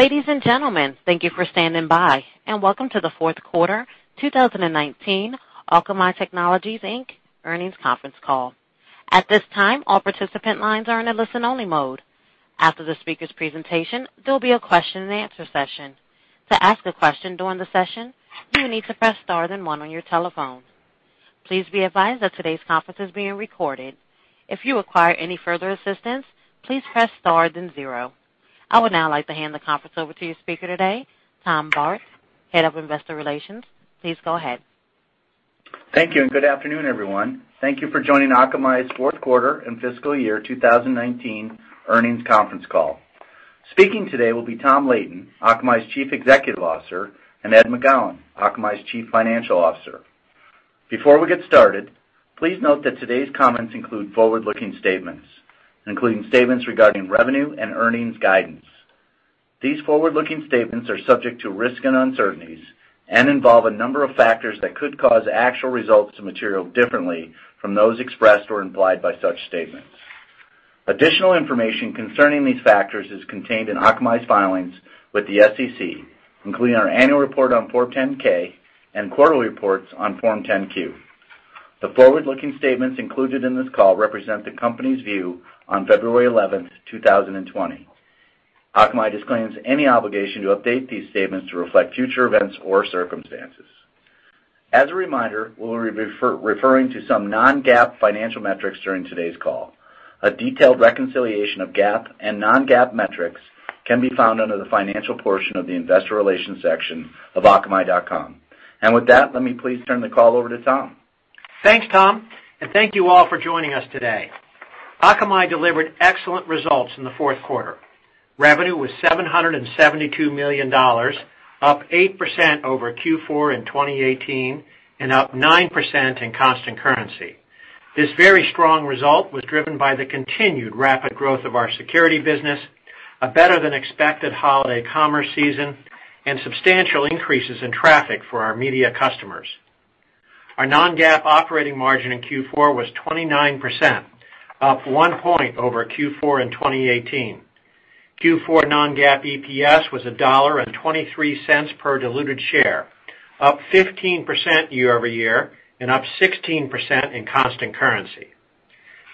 Ladies and gentlemen, thank you for standing by, and welcome to the fourth quarter 2019 Akamai Technologies, Inc. earnings conference call. At this time, all participant lines are in a listen-only mode. After the speaker's presentation, there will be a question and answer session. To ask a question during the session, you will need to press star then one on your telephone. Please be advised that today's conference is being recorded. If you require any further assistance, please press star then zero. I would now like to hand the conference over to your speaker today, Tom Barth, Head of Investor Relations. Please go ahead. Thank you. Good afternoon, everyone. Thank you for joining Akamai's fourth quarter and fiscal year 2019 earnings conference call. Speaking today will be Tom Leighton, Akamai's Chief Executive Officer, and Ed McGowan, Akamai's Chief Financial Officer. Before we get started, please note that today's comments include forward-looking statements, including statements regarding revenue and earnings guidance. These forward-looking statements are subject to risks and uncertainties and involve a number of factors that could cause actual results to material differently from those expressed or implied by such statements. Additional information concerning these factors is contained in Akamai's filings with the SEC, including our annual report on Form 10-K and quarterly reports on Form 10-Q. The forward-looking statements included in this call represent the company's view on February 11th, 2020. Akamai disclaims any obligation to update these statements to reflect future events or circumstances. As a reminder, we will be referring to some non-GAAP financial metrics during today's call. A detailed reconciliation of GAAP and non-GAAP metrics can be found under the financial portion of the investor relations section of akamai.com. With that, let me please turn the call over to Tom. Thanks, Tom, and thank you all for joining us today. Akamai delivered excellent results in the fourth quarter. Revenue was $772 million, up 8% over Q4 in 2018 and up 9% in constant currency. This very strong result was driven by the continued rapid growth of our security business, a better-than-expected holiday commerce season, and substantial increases in traffic for our media customers. Our non-GAAP operating margin in Q4 was 29%, up one point over Q4 in 2018. Q4 non-GAAP EPS was $1.23 per diluted share, up 15% year-over-year and up 16% in constant currency.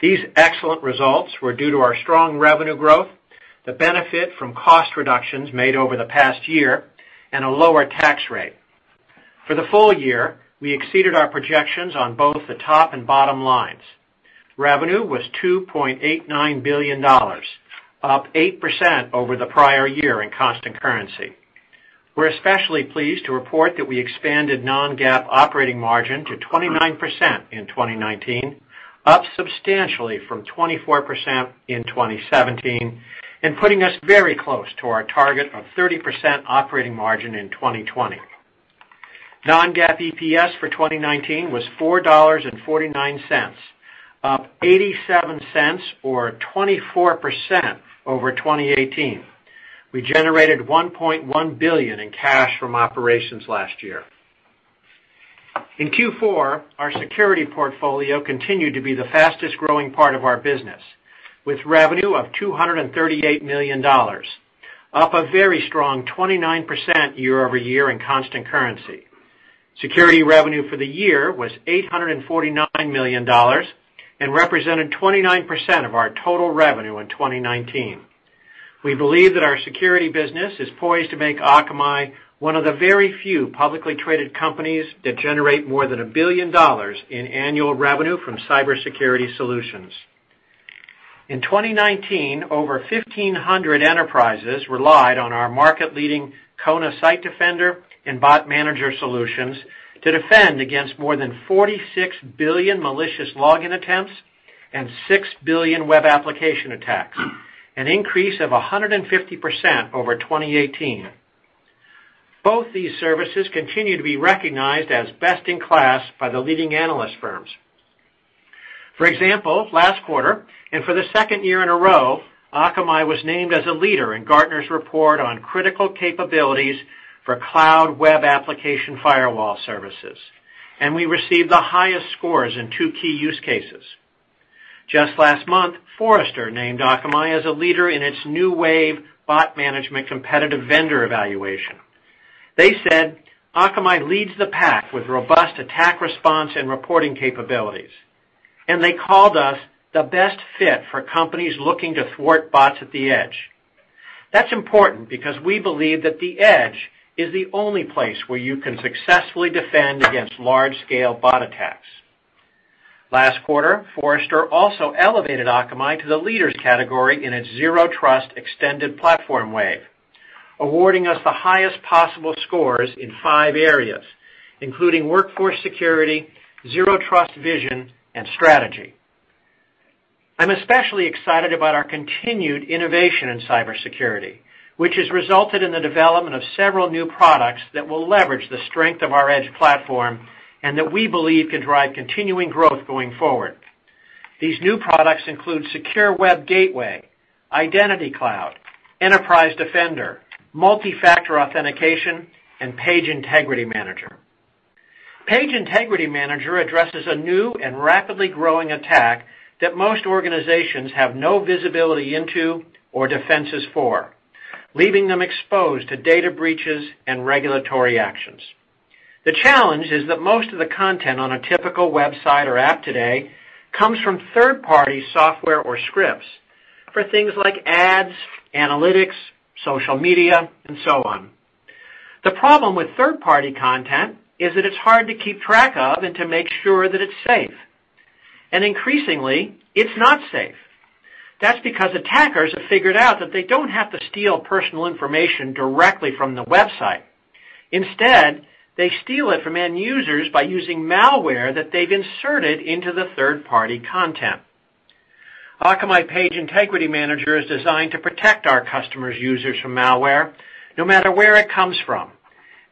These excellent results were due to our strong revenue growth, the benefit from cost reductions made over the past year, and a lower tax rate. For the full year, we exceeded our projections on both the top and bottom lines. Revenue was $2.89 billion, up 8% over the prior year in constant currency. We're especially pleased to report that we expanded non-GAAP operating margin to 29% in 2019, up substantially from 24% in 2017 and putting us very close to our target of 30% operating margin in 2020. Non-GAAP EPS for 2019 was $4.49, up $0.87 or 24% over 2018. We generated $1.1 billion in cash from operations last year. In Q4, our security portfolio continued to be the fastest-growing part of our business, with revenue of $238 million, up a very strong 29% year-over-year in constant currency. Security revenue for the year was $849 million and represented 29% of our total revenue in 2019. We believe that our security business is poised to make Akamai one of the very few publicly traded companies that generate more than a billion dollars in annual revenue from cybersecurity solutions. In 2019, over 1,500 enterprises relied on our market-leading Kona Site Defender and Bot Manager solutions to defend against more than 46 billion malicious login attempts and 6 billion web application attacks, an increase of 150% over 2018. Both these services continue to be recognized as best in class by the leading analyst firms. For example, last quarter, and for the second year in a row, Akamai was named as a leader in Gartner's report on critical capabilities for cloud web application firewall services, and we received the highest scores in two key use cases. Just last month, Forrester named Akamai as a leader in its New Wave Bot Management Competitive Vendor Evaluation. They said Akamai leads the pack with robust attack response and reporting capabilities, and they called us the best fit for companies looking to thwart bots at the edge. That's important because we believe that the edge is the only place where you can successfully defend against large-scale bot attacks. Last quarter, Forrester also elevated Akamai to the leaders category in its Zero Trust eXtended Platform Wave, awarding us the highest possible scores in five areas, including workforce security, Zero Trust vision, and strategy. I'm especially excited about our continued innovation in cybersecurity, which has resulted in the development of several new products that will leverage the strength of our edge platform and that we believe can drive continuing growth going forward. These new products include Secure Web Gateway, Identity Cloud, Enterprise Defender, Multi-Factor Authentication, and Page Integrity Manager. Page Integrity Manager addresses a new and rapidly growing attack that most organizations have no visibility into or defenses for, leaving them exposed to data breaches and regulatory actions. The challenge is that most of the content on a typical website or app today comes from third-party software or scripts for things like ads, analytics, social media, and so on. The problem with third-party content is that it's hard to keep track of and to make sure that it's safe. Increasingly, it's not safe. That's because attackers have figured out that they don't have to steal personal information directly from the website. Instead, they steal it from end users by using malware that they've inserted into the third-party content. Akamai Page Integrity Manager is designed to protect our customers' users from malware, no matter where it comes from,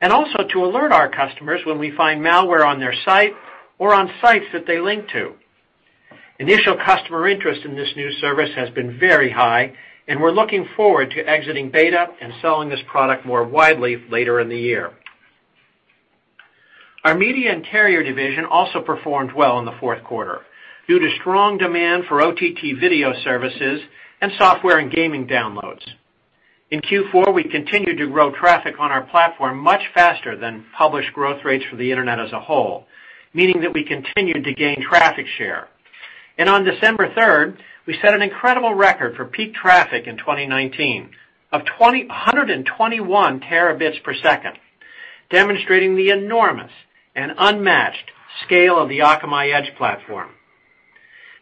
and also to alert our customers when we find malware on their site or on sites that they link to. Initial customer interest in this new service has been very high, and we're looking forward to exiting beta and selling this product more widely later in the year. Our media and carrier division also performed well in the fourth quarter due to strong demand for OTT video services and software and gaming downloads. In Q4, we continued to grow traffic on our platform much faster than published growth rates for the Internet as a whole, meaning that we continued to gain traffic share. On December 3rd, we set an incredible record for peak traffic in 2019 of 121 Tbps, demonstrating the enormous and unmatched scale of the Akamai Edge platform.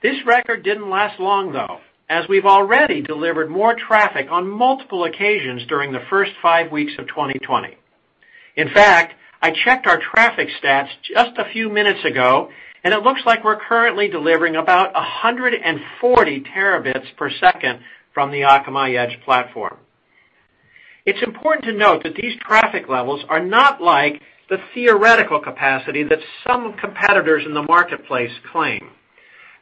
This record didn't last long, though, as we've already delivered more traffic on multiple occasions during the first five weeks of 2020. In fact, I checked our traffic stats just a few minutes ago, it looks like we're currently delivering about 140 Tbps from the Akamai Edge platform. It's important to note that these traffic levels are not like the theoretical capacity that some competitors in the marketplace claim.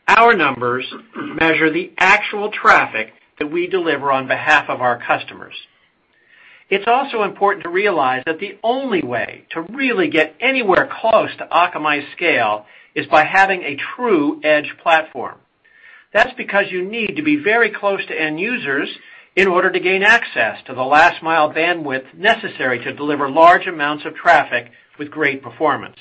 Our numbers measure the actual traffic that we deliver on behalf of our customers. It's also important to realize that the only way to really get anywhere close to Akamai's scale is by having a true edge platform. That's because you need to be very close to end users in order to gain access to the last-mile bandwidth necessary to deliver large amounts of traffic with great performance.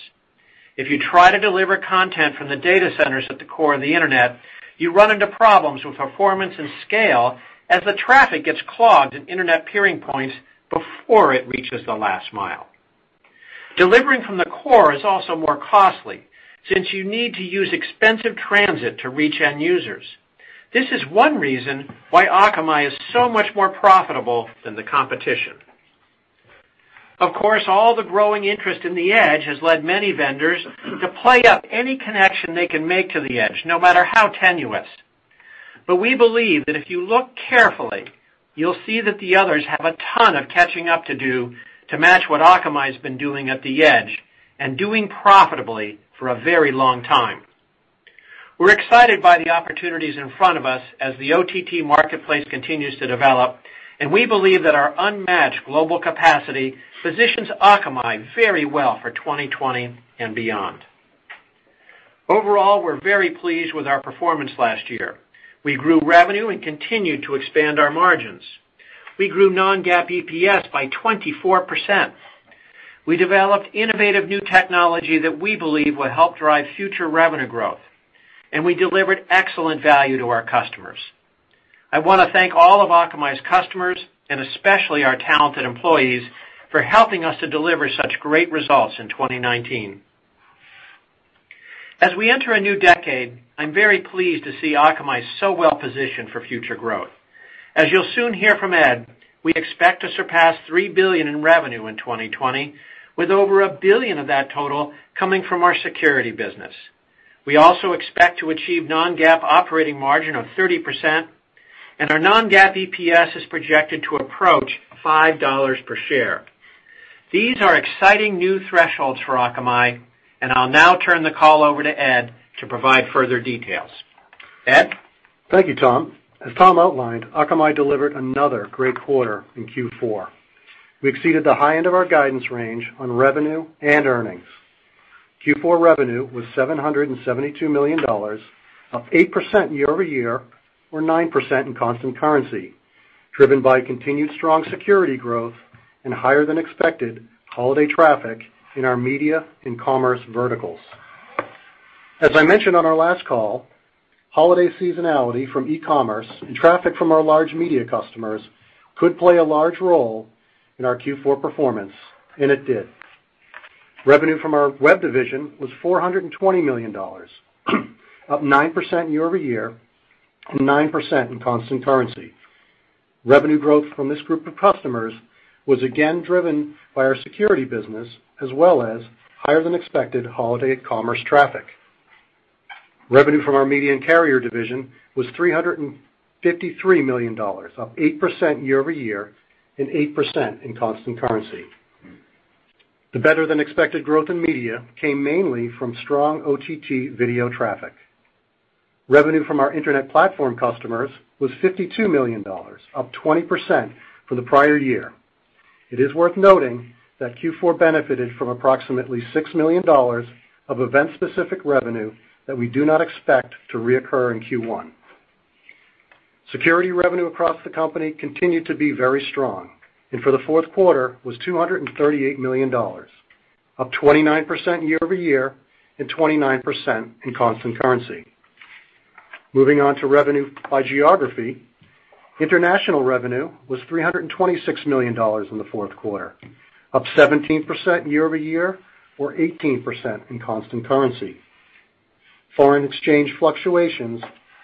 If you try to deliver content from the data centers at the core of the Internet, you run into problems with performance and scale as the traffic gets clogged in Internet peering points before it reaches the last mile. Delivering from the core is also more costly, since you need to use expensive transit to reach end users. This is one reason why Akamai is so much more profitable than the competition. Of course, all the growing interest in the Edge has led many vendors to play up any connection they can make to the Edge, no matter how tenuous. But we believe that if you look carefully, you'll see that the others have a ton of catching up to do to match what Akamai's been doing at the Edge and doing profitably for a very long time. We're excited by the opportunities in front of us as the OTT marketplace continues to develop, and we believe that our unmatched global capacity positions Akamai very well for 2020 and beyond. Overall, we're very pleased with our performance last year. We grew revenue and continued to expand our margins. We grew non-GAAP EPS by 24%. We developed innovative new technology that we believe will help drive future revenue growth, and we delivered excellent value to our customers. I want to thank all of Akamai's customers, and especially our talented employees, for helping us to deliver such great results in 2019. As we enter a new decade, I'm very pleased to see Akamai so well-positioned for future growth. As you'll soon hear from Ed, we expect to surpass $3 billion in revenue in 2020, with over $1 billion of that total coming from our security business. We also expect to achieve non-GAAP operating margin of 30%, and our non-GAAP EPS is projected to approach $5 per share. These are exciting new thresholds for Akamai, and I'll now turn the call over to Ed to provide further details. Ed? Thank you, Tom. As Tom outlined, Akamai delivered another great quarter in Q4. We exceeded the high end of our guidance range on revenue and earnings. Q4 revenue was $772 million, up 8% year-over-year, or 9% in constant currency, driven by continued strong security growth and higher than expected holiday traffic in our media and commerce verticals. As I mentioned on our last call, holiday seasonality from e-commerce and traffic from our large media customers could play a large role in our Q4 performance, and it did. Revenue from our web division was $420 million, up 9% year-over-year and 9% in constant currency. Revenue growth from this group of customers was again driven by our security business as well as higher than expected holiday commerce traffic. Revenue from our media and carrier division was $353 million, up 8% year-over-year and 8% in constant currency. The better-than-expected growth in media came mainly from strong OTT video traffic. Revenue from our internet platform customers was $52 million, up 20% from the prior year. It is worth noting that Q4 benefited from approximately $6 million of event-specific revenue that we do not expect to reoccur in Q1. Security revenue across the company continued to be very strong, and for the fourth quarter was $238 million, up 29% year-over-year and 29% in constant currency. Moving on to revenue by geography. International revenue was $326 million in the fourth quarter, up 17% year-over-year or 18% in constant currency. Foreign exchange fluctuations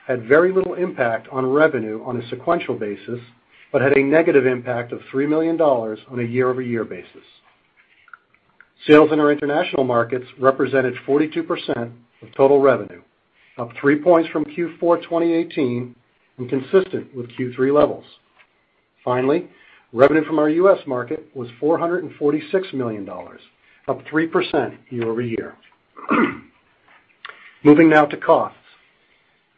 had very little impact on revenue on a sequential basis, but had a negative impact of $3 million on a year-over-year basis. Sales in our international markets represented 42% of total revenue, up three points from Q4 2018 and consistent with Q3 levels. Finally, revenue from our U.S. market was $446 million, up 3% year-over-year. Moving now to costs.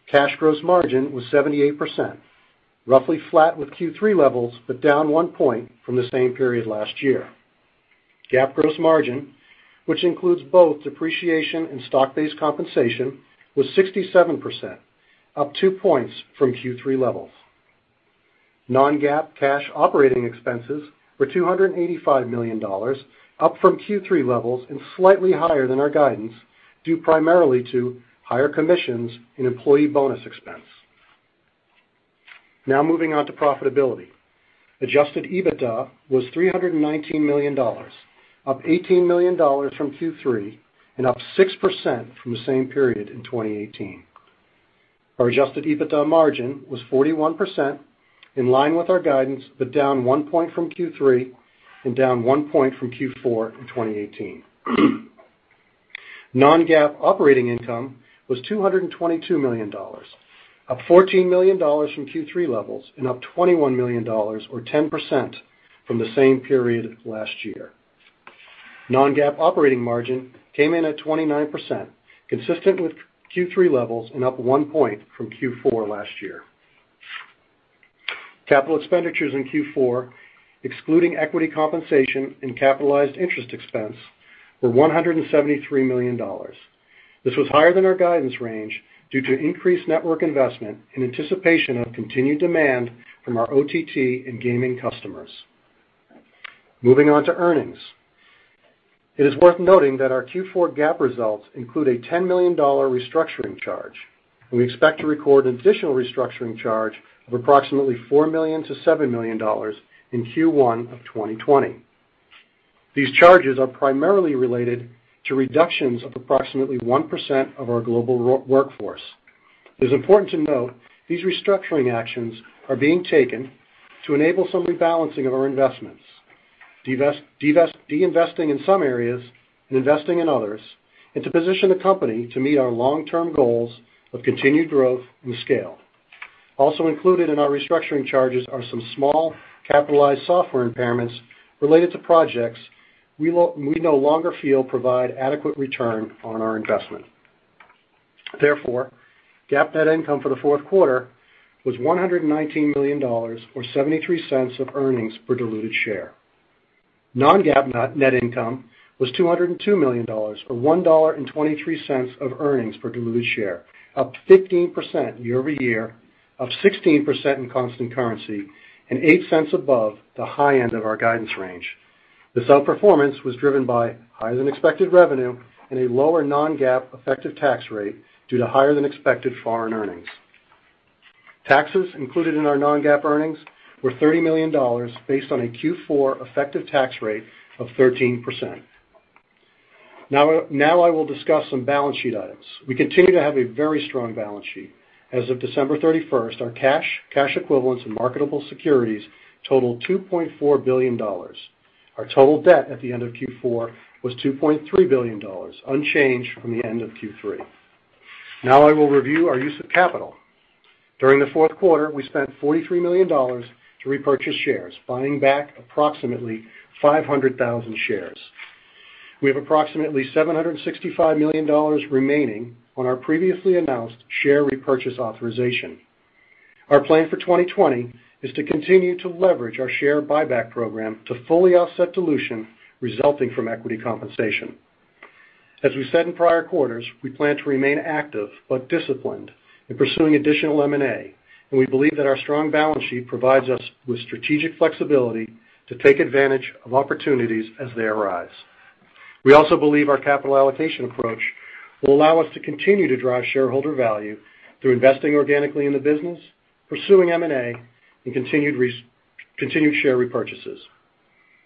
Cash gross margin was 78%, roughly flat with Q3 levels, but down one point from the same period last year. GAAP gross margin, which includes both depreciation and stock-based compensation, was 67%, up two points from Q3 levels. Non-GAAP cash operating expenses were $285 million, up from Q3 levels and slightly higher than our guidance, due primarily to higher commissions and employee bonus expense. Now moving on to profitability. Adjusted EBITDA was $319 million, up $18 million from Q3 and up 6% from the same period in 2018. Our adjusted EBITDA margin was 41%, in line with our guidance, but down one point from Q3 and down one point from Q4 in 2018. Non-GAAP operating income was $222 million, up $14 million from Q3 levels and up $21 million or 10% from the same period last year. Non-GAAP operating margin came in at 29%, consistent with Q3 levels, and up one point from Q4 last year. Capital expenditures in Q4, excluding equity compensation and capitalized interest expense, were $173 million. This was higher than our guidance range due to increased network investment in anticipation of continued demand from our OTT and gaming customers. Moving on to earnings. It is worth noting that our Q4 GAAP results include a $10 million restructuring charge, and we expect to record an additional restructuring charge of approximately $4 million-$7 million in Q1 of 2020. These charges are primarily related to reductions of approximately 1% of our global workforce. It is important to note these restructuring actions are being taken to enable some rebalancing of our investments, de-investing in some areas and investing in others, and to position the company to meet our long-term goals of continued growth and scale. Also included in our restructuring charges are some small capitalized software impairments related to projects we no longer feel provide adequate return on our investment. GAAP net income for the fourth quarter was $119 million, or $0.73 of earnings per diluted share. Non-GAAP net income was $202 million, or $1.23 of earnings per diluted share, up 15% year-over-year, up 16% in constant currency, and $0.08 above the high end of our guidance range. This outperformance was driven by higher than expected revenue and a lower non-GAAP effective tax rate due to higher than expected foreign earnings. Taxes included in our non-GAAP earnings were $30 million, based on a Q4 effective tax rate of 13%. I will discuss some balance sheet items. We continue to have a very strong balance sheet. As of December 31st, our cash equivalents, and marketable securities totaled $2.4 billion. Our total debt at the end of Q4 was $2.3 billion, unchanged from the end of Q3. I will review our use of capital. During the fourth quarter, we spent $43 million to repurchase shares, buying back approximately 500,000 shares. We have approximately $765 million remaining on our previously announced share repurchase authorization. Our plan for 2020 is to continue to leverage our share buyback program to fully offset dilution resulting from equity compensation. As we said in prior quarters, we plan to remain active but disciplined in pursuing additional M&A, and we believe that our strong balance sheet provides us with strategic flexibility to take advantage of opportunities as they arise. We also believe our capital allocation approach will allow us to continue to drive shareholder value through investing organically in the business, pursuing M&A, and continued share repurchases.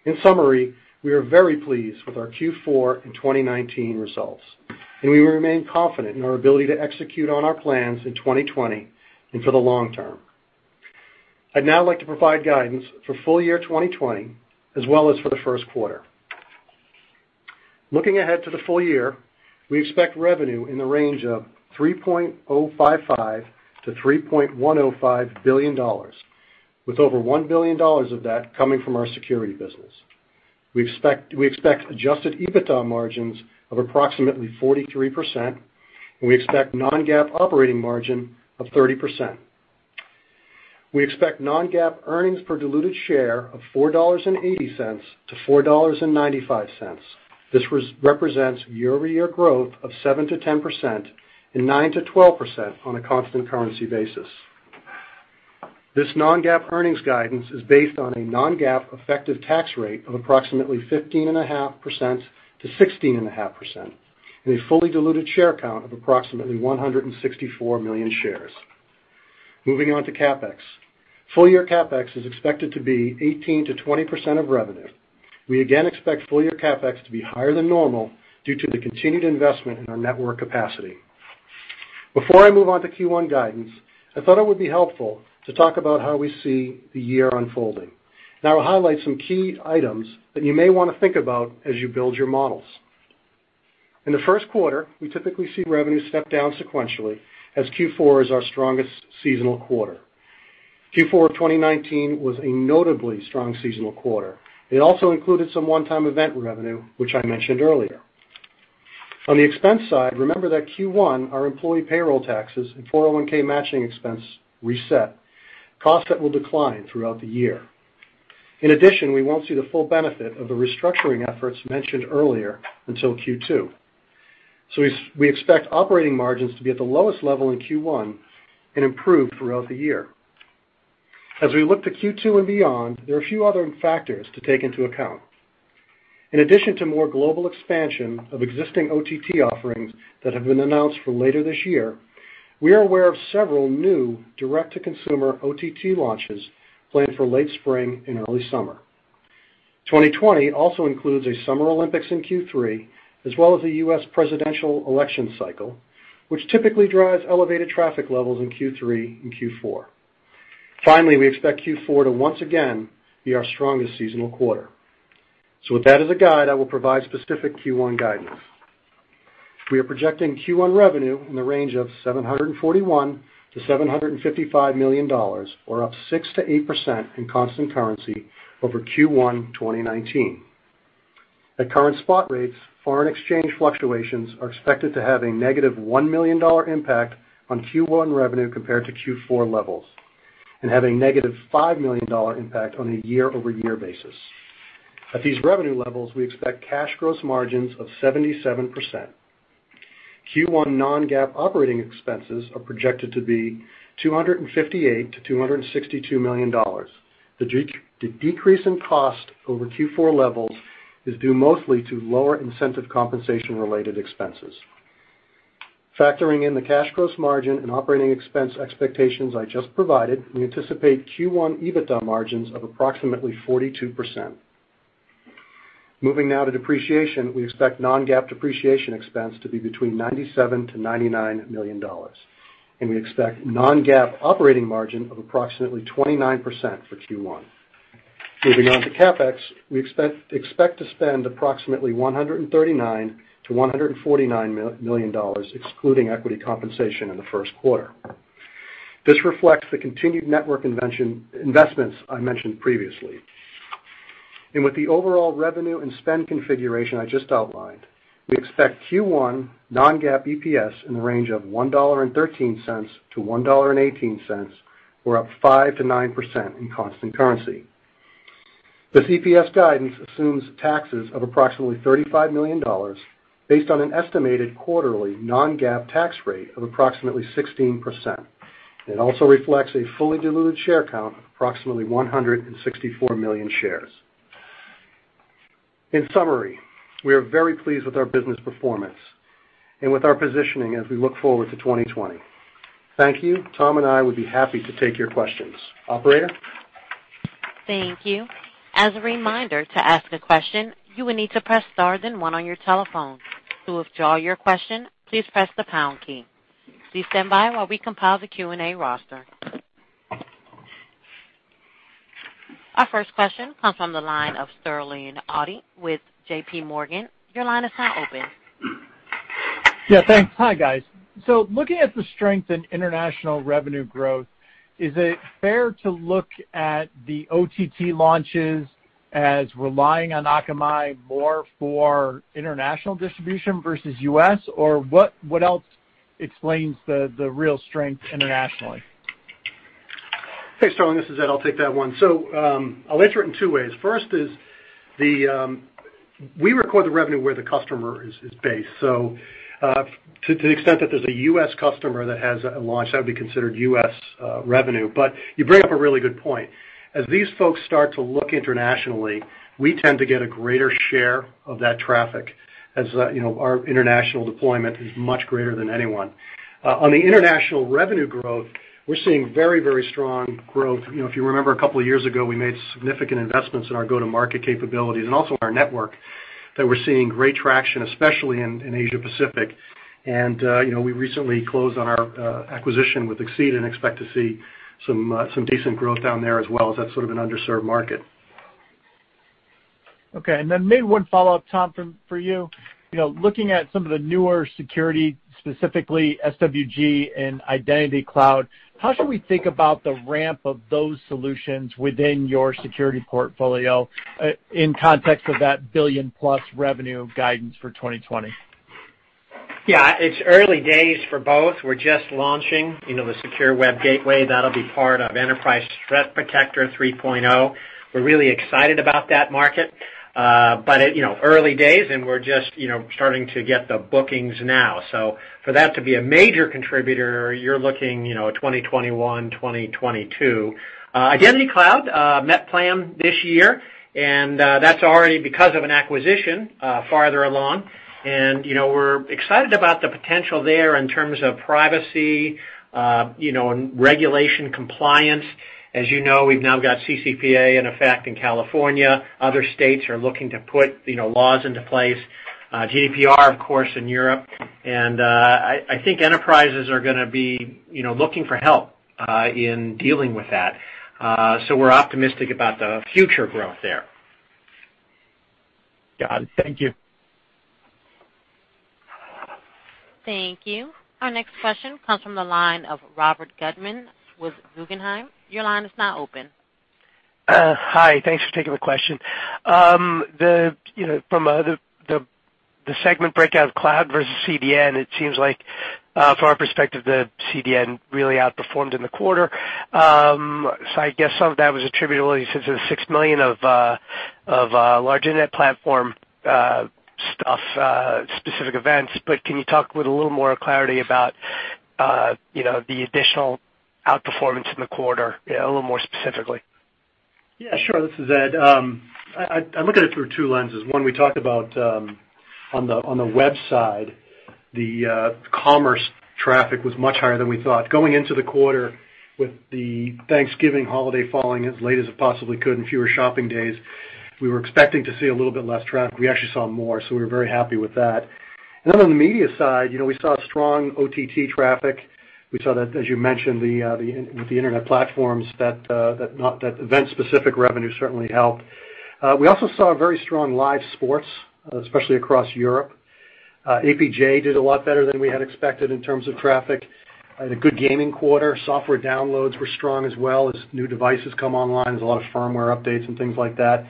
In summary, we are very pleased with our Q4 and 2019 results, and we remain confident in our ability to execute on our plans in 2020 and for the long term. I'd now like to provide guidance for full year 2020 as well as for the first quarter. Looking ahead to the full year, we expect revenue in the range of $3.055 billion-$3.105 billion, with over $1 billion of that coming from our security business. We expect adjusted EBITDA margins of approximately 43%, and we expect non-GAAP operating margin of 30%. We expect non-GAAP earnings per diluted share of $4.80-$4.95. This represents year-over-year growth of 7%-10%, and 9%-12% on a constant currency basis. This non-GAAP earnings guidance is based on a non-GAAP effective tax rate of approximately 15.5%-16.5%, and a fully diluted share count of approximately 164 million shares. Moving on to CapEx. Full-year CapEx is expected to be 18%-20% of revenue. We again expect full-year CapEx to be higher than normal due to the continued investment in our network capacity. Before I move on to Q1 guidance, I thought it would be helpful to talk about how we see the year unfolding. I'll highlight some key items that you may want to think about as you build your models. In the first quarter, we typically see revenue step down sequentially as Q4 is our strongest seasonal quarter. Q4 of 2019 was a notably strong seasonal quarter. It also included some one-time event revenue, which I mentioned earlier. On the expense side, remember that Q1, our employee payroll taxes and 401 -K matching expenses reset, costs that will decline throughout the year. In addition, we won't see the full benefit of the restructuring efforts mentioned earlier until Q2. We expect operating margins to be at the lowest level in Q1 and improve throughout the year. As we look to Q2 and beyond, there are a few other factors to take into account. In addition to more global expansion of existing OTT offerings that have been announced for later this year, we are aware of several new direct-to-consumer OTT launches planned for late spring and early summer. 2020 also includes a Summer Olympics in Q3, as well as a U.S. presidential election cycle, which typically drives elevated traffic levels in Q3 and Q4. Finally, we expect Q4 to once again be our strongest seasonal quarter. With that as a guide, I will provide specific Q1 guidance. We are projecting Q1 revenue in the range of $741 million-$755 million, or up 6%-8% in constant currency over Q1 2019. At current spot rates, foreign exchange fluctuations are expected to have a -$1 million impact on Q1 revenue compared to Q4 levels and have a -$5 million impact on a year-over-year basis. At these revenue levels, we expect cash gross margins of 77%. Q1 non-GAAP operating expenses are projected to be $258 million-$262 million. The decrease in cost over Q4 levels is due mostly to lower incentive compensation-related expenses. Factoring in the cash gross margin and operating expense expectations I just provided, we anticipate Q1 EBITDA margins of approximately 42%. Moving now to depreciation, we expect non-GAAP depreciation expense to be between $97 million-$99 million, and we expect non-GAAP operating margin of approximately 29% for Q1. Moving on to CapEx, we expect to spend approximately $139 million-$149 million excluding equity compensation in the first quarter. This reflects the continued network investments I mentioned previously. With the overall revenue and spend configuration I just outlined, we expect Q1 non-GAAP EPS in the range of $1.13-$1.18, or up 5%-9% in constant currency. This EPS guidance assumes taxes of approximately $35 million based on an estimated quarterly non-GAAP tax rate of approximately 16%. It also reflects a fully diluted share count of approximately 164 million shares. In summary, we are very pleased with our business performance and with our positioning as we look forward to 2020. Thank you. Tom and I would be happy to take your questions. Operator? Thank you. As a reminder, to ask a question, you will need to press star then one on your telephone. To withdraw your question, please press the pound key. Please stand by while we compile the Q&A roster. Our first question comes from the line of Sterling Auty with JPMorgan. Your line is now open. Yeah, thanks. Hi guys. Looking at the strength in international revenue growth, is it fair to look at the OTT launches as relying on Akamai more for international distribution versus U.S.? Or what else explains the real strength internationally? Hey, Sterling, this is Ed, I'll take that one. I'll answer it in two ways. First is, we record the revenue where the customer is based. To the extent that there's a U.S. customer that has a launch, that would be considered U.S. revenue. You bring up a really good point. As these folks start to look internationally, we tend to get a greater share of that traffic, as our international deployment is much greater than anyone. On the international revenue growth, we're seeing very strong growth. If you remember a couple of years ago, we made significant investments in our go-to-market capabilities and also our network, that we're seeing great traction, especially in Asia-Pacific. We recently closed on our acquisition with Exceda and expect to see some decent growth down there as well, as that's sort of an underserved market. Okay, maybe one follow-up, Tom, for you. Looking at some of the newer security, specifically SWG and Identity Cloud, how should we think about the ramp of those solutions within your security portfolio in context of that billion-plus revenue guidance for 2020? Yeah, it's early days for both. We're just launching the Secure Web Gateway. That'll be part of Enterprise Threat Protector 3.0. We're really excited about that market. Early days, and we're just starting to get the bookings now. For that to be a major contributor, you're looking 2021, 2022. Identity Cloud, met plan this year, and that's already because of an acquisition farther along. We're excited about the potential there in terms of privacy, and regulation compliance. As you know, we've now got CCPA in effect in California. Other states are looking to put laws into place. GDPR, of course, in Europe. I think enterprises are going to be looking for help in dealing with that. We're optimistic about the future growth there. Got it. Thank you. Thank you. Our next question comes from the line of Robert Gutman with Guggenheim. Your line is now open. Hi. Thanks for taking the question. From the segment breakdown of cloud versus CDN, it seems like, from our perspective, the CDN really outperformed in the quarter. I guess some of that was attributable, you said, to the $6 million of large internet platform stuff, specific events. Can you talk with a little more clarity about the additional outperformance in the quarter, a little more specifically? Yeah, sure. This is Ed. I look at it through two lenses. One, we talked about, on the web side, the commerce traffic was much higher than we thought. Going into the quarter with the Thanksgiving holiday falling as late as it possibly could and fewer shopping days, we were expecting to see a little bit less traffic. We actually saw more, so we were very happy with that. On the media side, we saw strong OTT traffic. We saw that, as you mentioned, with the internet platforms, that event-specific revenue certainly helped. We also saw very strong live sports, especially across Europe. APJ did a lot better than we had expected in terms of traffic. Had a good gaming quarter. Software downloads were strong as well. As new devices come online, there's a lot of firmware updates and things like that.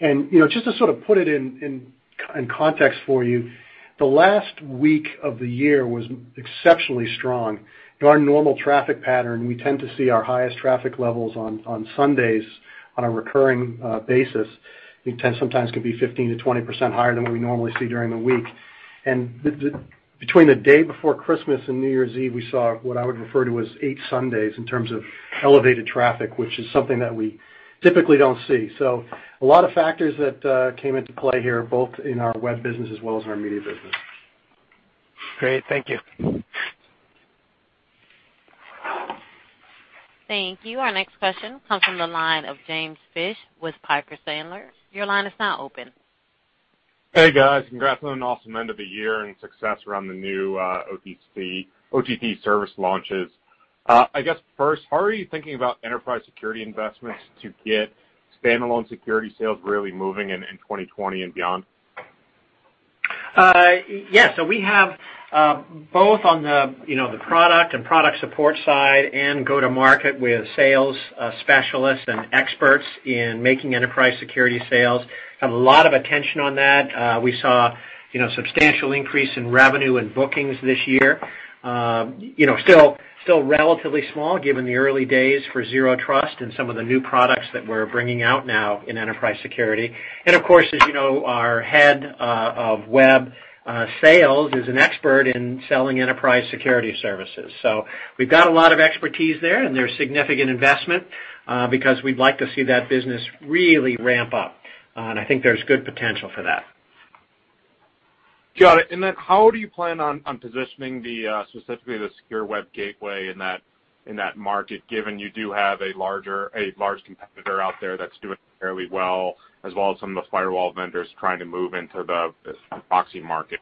Just to sort of put it in context for you, the last week of the year was exceptionally strong. In our normal traffic pattern, we tend to see our highest traffic levels on Sundays on a recurring basis. It sometimes can be 15%-20% higher than what we normally see during the week. Between the day before Christmas and New Year's Eve, we saw what I would refer to as eight Sundays in terms of elevated traffic, which is something that we typically don't see. A lot of factors that came into play here, both in our web business as well as our media business. Great. Thank you. Thank you. Our next question comes from the line of James Fish with Piper Sandler. Your line is now open. Hey, guys. Congrats on an awesome end of the year and success around the new OTT service launches. I guess, first, how are you thinking about enterprise security investments to get standalone security sales really moving in 2020 and beyond? We have both on the product and product support side and go to market with sales specialists and experts in making enterprise security sales. Have a lot of attention on that. We saw substantial increase in revenue and bookings this year. Still relatively small given the early days for Zero Trust and some of the new products that we're bringing out now in enterprise security. Of course, as you know, our head of web sales is an expert in selling enterprise security services. We've got a lot of expertise there, and there's significant investment, because we'd like to see that business really ramp up. I think there's good potential for that. Got it. How do you plan on positioning specifically the Secure Web Gateway in that market, given you do have a large competitor out there that's doing fairly well, as well as some of the firewall vendors trying to move into the proxy market?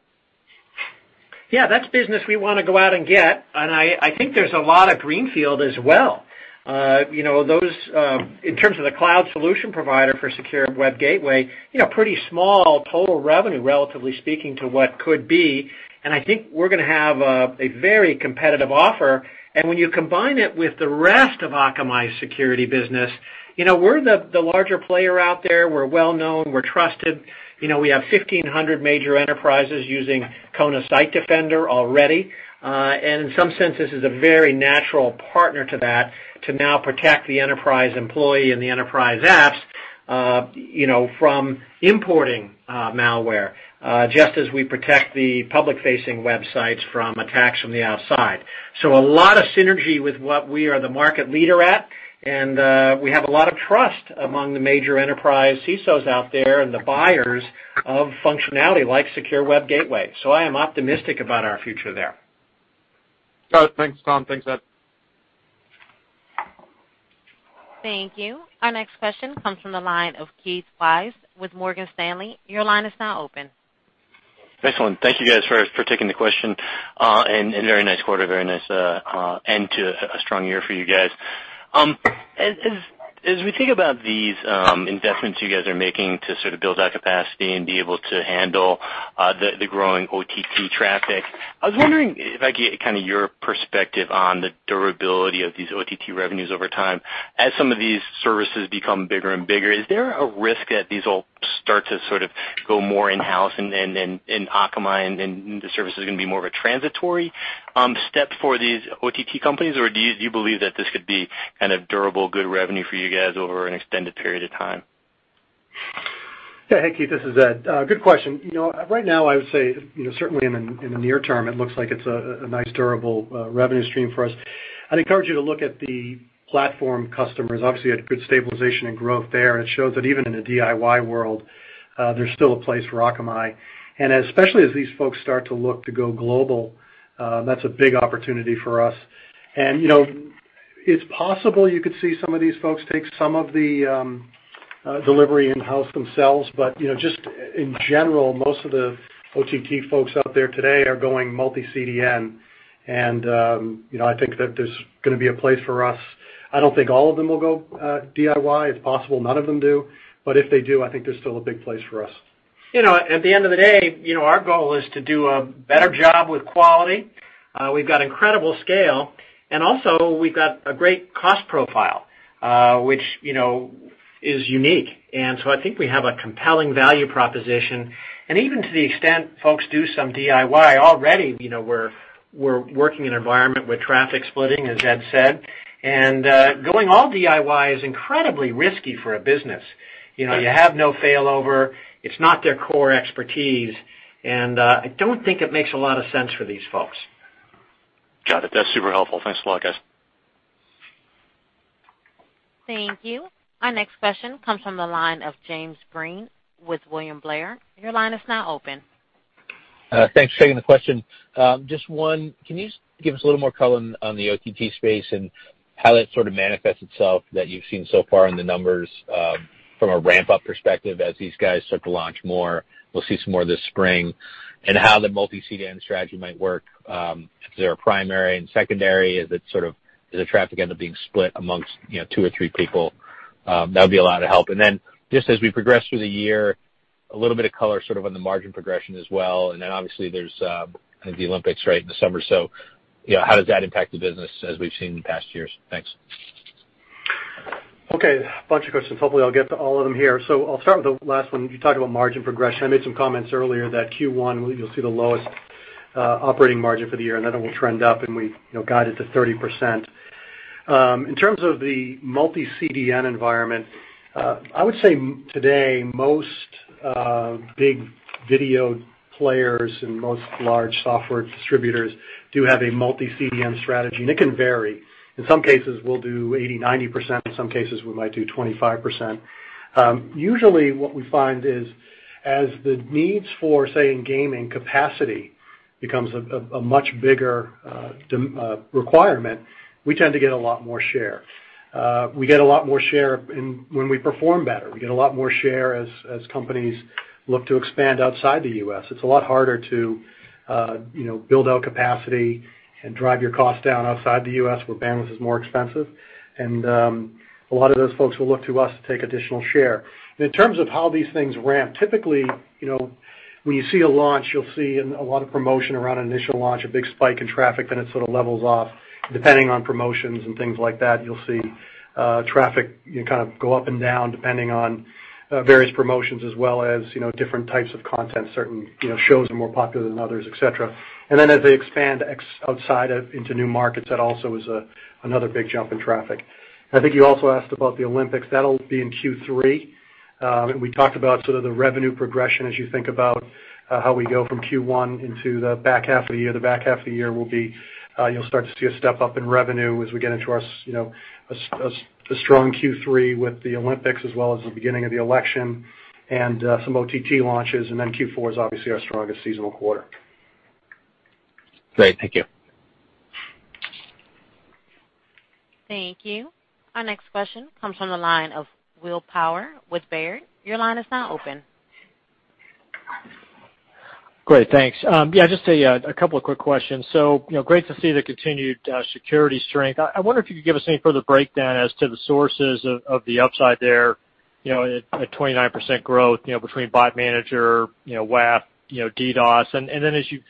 Yeah, that's business we want to go out and get, and I think there's a lot of greenfield as well. In terms of the cloud solution provider for Secure Web Gateway, pretty small total revenue, relatively speaking, to what could be, and I think we're going to have a very competitive offer. When you combine it with the rest of Akamai's security business, we're the larger player out there. We're well-known. We're trusted. We have 1,500 major enterprises using Kona Site Defender already. In some sense, this is a very natural partner to that to now protect the enterprise employee and the enterprise apps from importing malware, just as we protect the public-facing websites from attacks from the outside. A lot of synergy with what we are the market leader at, and we have a lot of trust among the major enterprise CISOs out there and the buyers of functionality like Secure Web Gateway. I am optimistic about our future there. Got it. Thanks, Tom. Thanks, Ed. Thank you. Our next question comes from the line of Keith Weiss with Morgan Stanley. Your line is now open. Excellent. Thank you guys for taking the question, and a very nice quarter, very nice end to a strong year for you guys. As we think about these investments you guys are making to sort of build out capacity and be able to handle the growing OTT traffic, I was wondering if I could get your perspective on the durability of these OTT revenues over time. As some of these services become bigger and bigger, is there a risk that these all start to sort of go more in-house in Akamai, and then the service is going to be more of a transitory step for these OTT companies? Do you believe that this could be kind of durable, good revenue for you guys over an extended period of time? Hey, Keith, this is Ed. Good question. Right now, I would say, certainly in the near term, it looks like it's a nice durable revenue stream for us. I'd encourage you to look at the platform customers. Obviously, you had good stabilization and growth there, it shows that even in a DIY world, there's still a place for Akamai. Especially as these folks start to look to go global, that's a big opportunity for us. It's possible you could see some of these folks take some of the delivery in-house themselves, but just in general, most of the OTT folks out there today are going multi-CDN, and I think that there's going to be a place for us. I don't think all of them will go DIY. It's possible none of them do. If they do, I think there's still a big place for us. At the end of the day, our goal is to do a better job with quality. We've got incredible scale, and also we've got a great cost profile, which is unique. I think we have a compelling value proposition. Even to the extent folks do some DIY already, we're working in an environment with traffic splitting, as Ed said. Going all DIY is incredibly risky for a business. You have no failover. It's not their core expertise, and I don't think it makes a lot of sense for these folks. Got it. That's super helpful. Thanks a lot, guys. Thank you. Our next question comes from the line of Jim Breen with William Blair. Your line is now open. Thanks. Giving the question. Just one, can you give us a little more color on the OTT space and how that sort of manifests itself that you've seen so far in the numbers from a ramp-up perspective as these guys start to launch more, we'll see some more this spring, and how the multi-CDN strategy might work? Is there a primary and secondary? Does the traffic end up being split amongst two or three people? That would be a lot of help. Just as we progress through the year, a little bit of color sort of on the margin progression as well, obviously there's the Olympics right in the summer. How does that impact the business as we've seen in past years? Thanks. Okay, a bunch of questions. Hopefully, I'll get to all of them here. I'll start with the last one. You talked about margin progression. I made some comments earlier that Q1, you'll see the lowest operating margin for the year, and then it will trend up, and we guide it to 30%. In terms of the multi-CDN environment, I would say today, most big video players and most large software distributors do have a multi-CDN strategy, and it can vary. In some cases, we'll do 80%-90%. In some cases, we might do 25%. Usually, what we find is, as the needs for, say, in gaming capacity becomes a much bigger requirement, we tend to get a lot more share. We get a lot more share when we perform better. We get a lot more share as companies look to expand outside the U.S. It's a lot harder to build out capacity and drive your cost down outside the U.S. where bandwidth is more expensive. A lot of those folks will look to us to take additional share. In terms of how these things ramp, typically, when you see a launch, you'll see a lot of promotion around an initial launch, a big spike in traffic, then it sort of levels off. Depending on promotions and things like that, you'll see traffic kind of go up and down, depending on various promotions as well as different types of content. Certain shows are more popular than others, et cetera. Then as they expand outside into new markets, that also is another big jump in traffic. I think you also asked about the Olympics. That'll be in Q3. We talked about sort of the revenue progression as you think about how we go from Q1 into the back half of the year. The back half of the year, you'll start to see a step-up in revenue as we get into a strong Q3 with the Olympics as well as the beginning of the election and some OTT launches. Q4 is obviously our strongest seasonal quarter. Great. Thank you. Thank you. Our next question comes from the line of Will Power with Baird. Your line is now open. Great. Thanks. Yeah, just a couple of quick questions. Great to see the continued security strength. I wonder if you could give us any further breakdown as to the sources of the upside there at 29% growth between Bot Manager, WAF, DDoS. Then as you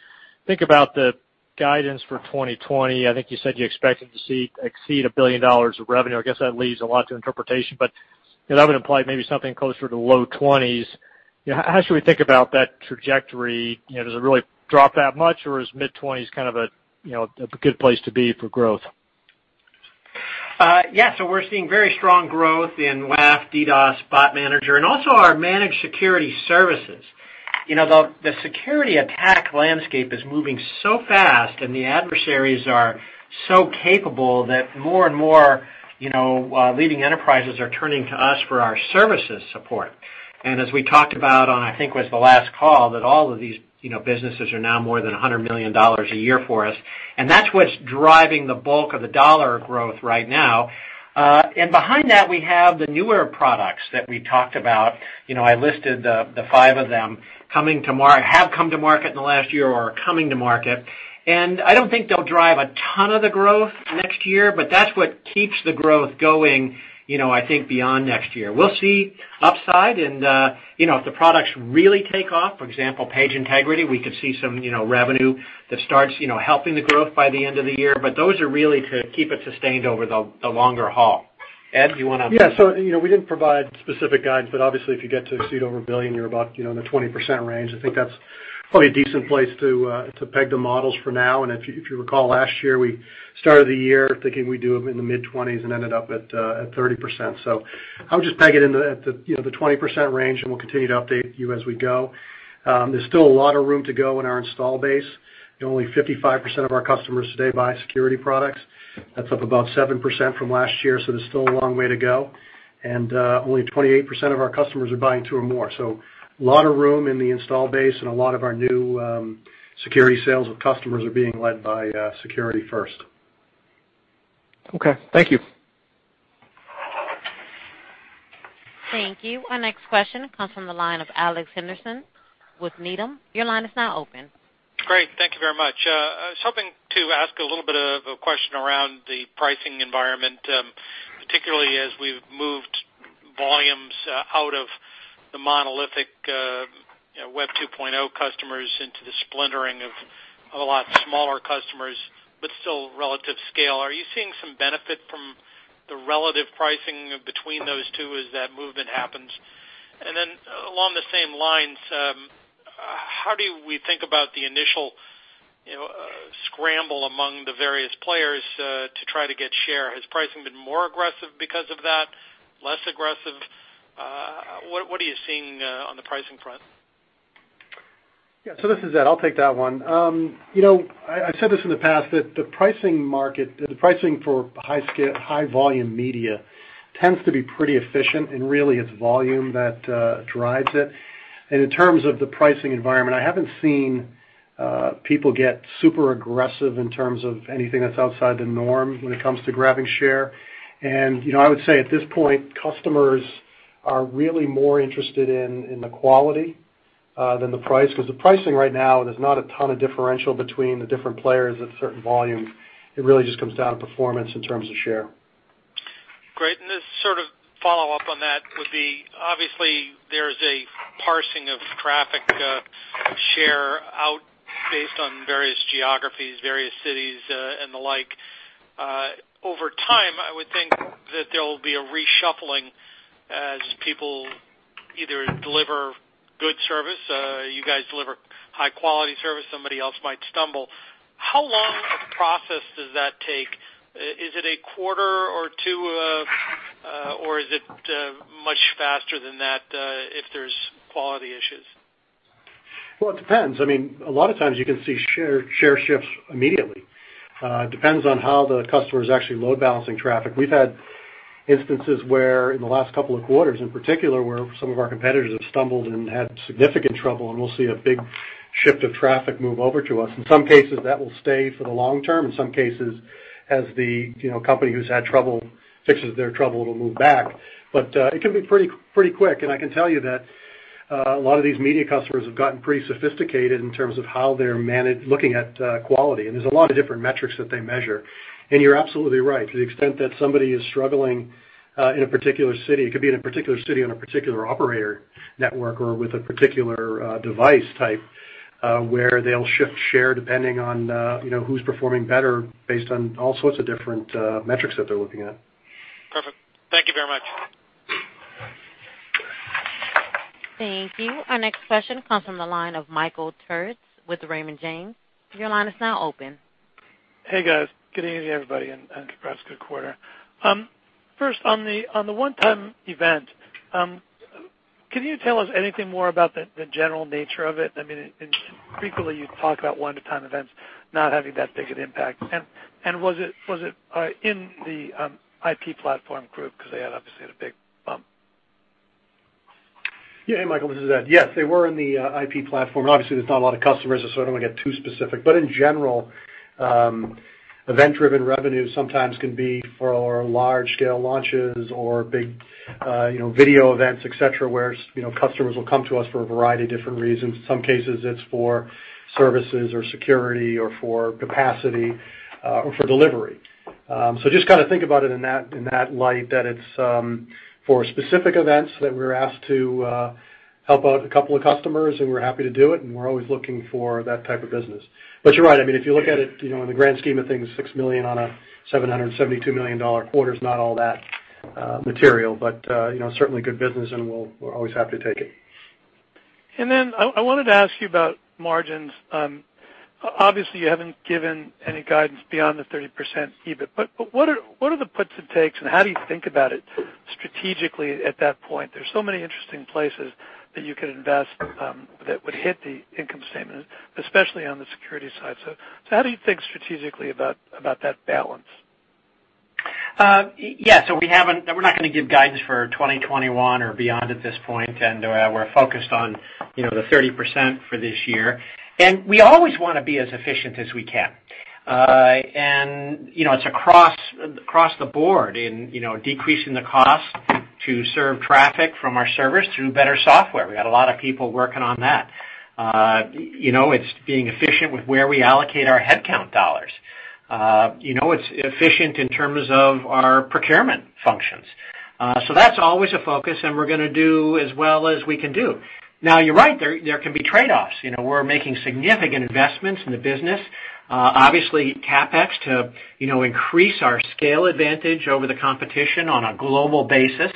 think about the guidance for 2020, I think you said you're expecting to exceed $1 billion of revenue. I guess that leaves a lot to interpretation, but that would imply maybe something closer to low 20s. How should we think about that trajectory? Does it really drop that much, or is mid-20s kind of a good place to be for growth? Yeah. We're seeing very strong growth in WAF, DDoS, Bot Manager, and also our managed security services. The security attack landscape is moving so fast, and the adversaries are so capable that more and more leading enterprises are turning to us for our services support. As we talked about on, I think it was the last call, that all of these businesses are now more than $100 million a year for us, and that's what's driving the bulk of the dollar growth right now. Behind that, we have the newer products that we talked about. I listed the five of them, have come to market in the last year or are coming to market. I don't think they'll drive a ton of the growth next year, but that's what keeps the growth going I think beyond next year. We'll see upside and if the products really take off, for example, page integrity, we could see some revenue that starts helping the growth by the end of the year. Those are really to keep it sustained over the longer haul. Ed, do you want to- Yeah. We didn't provide specific guidance, but obviously, if you get to Exceda over $1 billion, you're about in the 20% range. I think that's probably a decent place to peg the models for now. If you recall last year, we started the year thinking we'd do it in the mid-20s and ended up at 30%. I would just peg it in the 20% range, and we'll continue to update you as we go. There are still a lot of room to go in our install base. Only 55% of our customers today buy security products. That's up about 7% from last year, so there's still a long way to go. Only 28% of our customers are buying two or more. A lot of room in the install base and a lot of our new security sales with customers are being led by security first. Okay. Thank you. Thank you. Our next question comes from the line of Alex Henderson with Needham. Your line is now open. Great. Thank you very much. I was hoping to ask a little bit of a question around the pricing environment, particularly as we've moved volumes out of the monolithic Web 2.0 customers into the splintering of a lot smaller customers, but still relative scale. Are you seeing some benefit from the relative pricing between those two as that movement happens? Along the same lines, how do we think about the initial scramble among the various players to try to get share? Has pricing been more aggressive because of that, less aggressive? What are you seeing on the pricing front? This is Ed McGowan. I'll take that one. I said this in the past, that the pricing market, the pricing for high volume media tends to be pretty efficient, and really it's volume that drives it. In terms of the pricing environment, I haven't seen people get super aggressive in terms of anything that's outside the norm when it comes to grabbing share. I would say at this point, customers are really more interested in the quality than the price, because the pricing right now, there's not a ton of differential between the different players at certain volumes. It really just comes down to performance in terms of share. Great. This sort of follow-up on that would be, obviously, there's a parsing of traffic share out based on various geographies, various cities, and the like. Over time, I would think that there will be a reshuffling as people either deliver good service, you guys deliver high-quality service, somebody else might stumble. How long a process does that take? Is it a quarter or two, or is it much faster than that if there's quality issues? Well, it depends. A lot of times you can see share shifts immediately. Depends on how the customer's actually load balancing traffic. We've had instances where, in the last couple of quarters in particular, where some of our competitors have stumbled and had significant trouble, and we'll see a big shift of traffic move over to us. In some cases, that will stay for the long term. In some cases, as the company who's had trouble fixes their trouble, it'll move back. It can be pretty quick. I can tell you that a lot of these media customers have gotten pretty sophisticated in terms of how they're looking at quality, and there's a lot of different metrics that they measure. You're absolutely right. To the extent that somebody is struggling in a particular city, it could be in a particular city on a particular operator network or with a particular device type, where they'll shift share depending on who's performing better based on all sorts of different metrics that they're looking at. Perfect. Thank you very much. Thank you. Our next question comes from the line of Michael Turits with Raymond James. Your line is now open. Hey, guys. Good evening, everybody, and congrats. Good quarter. First, on the one-time event, can you tell us anything more about the general nature of it? Frequently you talk about one-time events not having that big of an impact. Was it in the IP platform group because they had, obviously, had a big bump? Hey, Michael, this is Ed. Yes, they were in the IP platform. Obviously, there's not a lot of customers, so I don't want to get too specific. In general, event-driven revenue sometimes can be for our large-scale launches or big video events, et cetera, where customers will come to us for a variety of different reasons. In some cases, it's for services or security or for capacity or for delivery. Just kind of think about it in that light, that it's for specific events that we're asked to help out a couple of customers, and we're happy to do it, and we're always looking for that type of business. You're right. If you look at it in the grand scheme of things, $6 million on a $772 million quarter is not all that material, but certainly good business, and we're always happy to take it. I wanted to ask you about margins. Obviously, you haven't given any guidance beyond the 30% EBIT, what are the puts and takes, and how do you think about it strategically at that point? There's so many interesting places that you could invest that would hit the income statement, especially on the security side. How do you think strategically about that balance? Yeah. We're not going to give guidance for 2021 or beyond at this point, we're focused on the 30% for this year. We always want to be as efficient as we can. It's across the board in decreasing the cost to serve traffic from our servers through better software. We got a lot of people working on that. It's being efficient with where we allocate our headcount dollars. It's efficient in terms of our procurement functions. That's always a focus, and we're going to do as well as we can do. Now, you're right, there can be trade-offs. We're making significant investments in the business. Obviously, CapEx to increase our scale advantage over the competition on a global basis.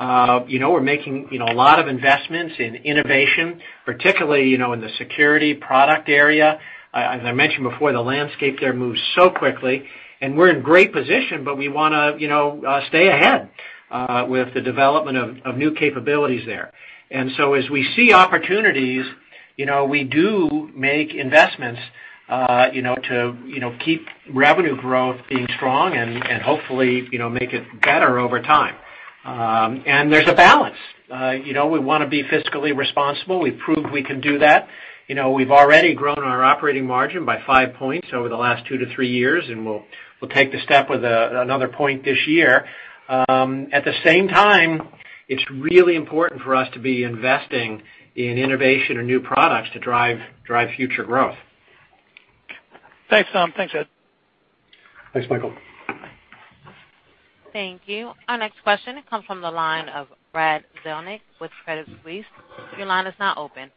We're making a lot of investments in innovation, particularly in the security product area. As I mentioned before, the landscape there moves so quickly, and we're in great position, but we want to stay ahead with the development of new capabilities there. As we see opportunities, we do make investments to keep revenue growth being strong and hopefully, make it better over time. There's a balance. We want to be fiscally responsible. We've proved we can do that. We've already grown our operating margin by five points over the last two to three years, and we'll take the step with another point this year. At the same time, it's really important for us to be investing in innovation or new products to drive future growth. Thanks, Tom. Thanks, Ed. Thanks, Michael. Thank you. Our next question comes from the line of Brad Zelnick with Credit Suisse. Your line is now open.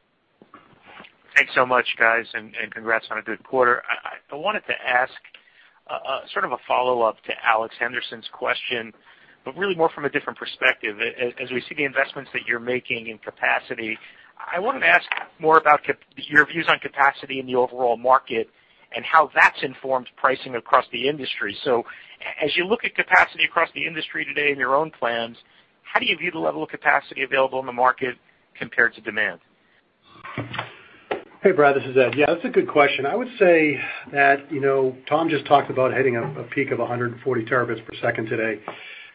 Thanks so much, guys, and congrats on a good quarter. I wanted to ask sort of a follow-up to Alex Henderson's question, but really more from a different perspective. We see the investments that you're making in capacity, I wanted to ask more about your views on capacity in the overall market and how that's informed pricing across the industry. As you look at capacity across the industry today in your own plans, how do you view the level of capacity available in the market compared to demand? Hey, Brad, this is Ed. That's a good question. I would say that Tom just talked about hitting a peak of 140 Tbps today.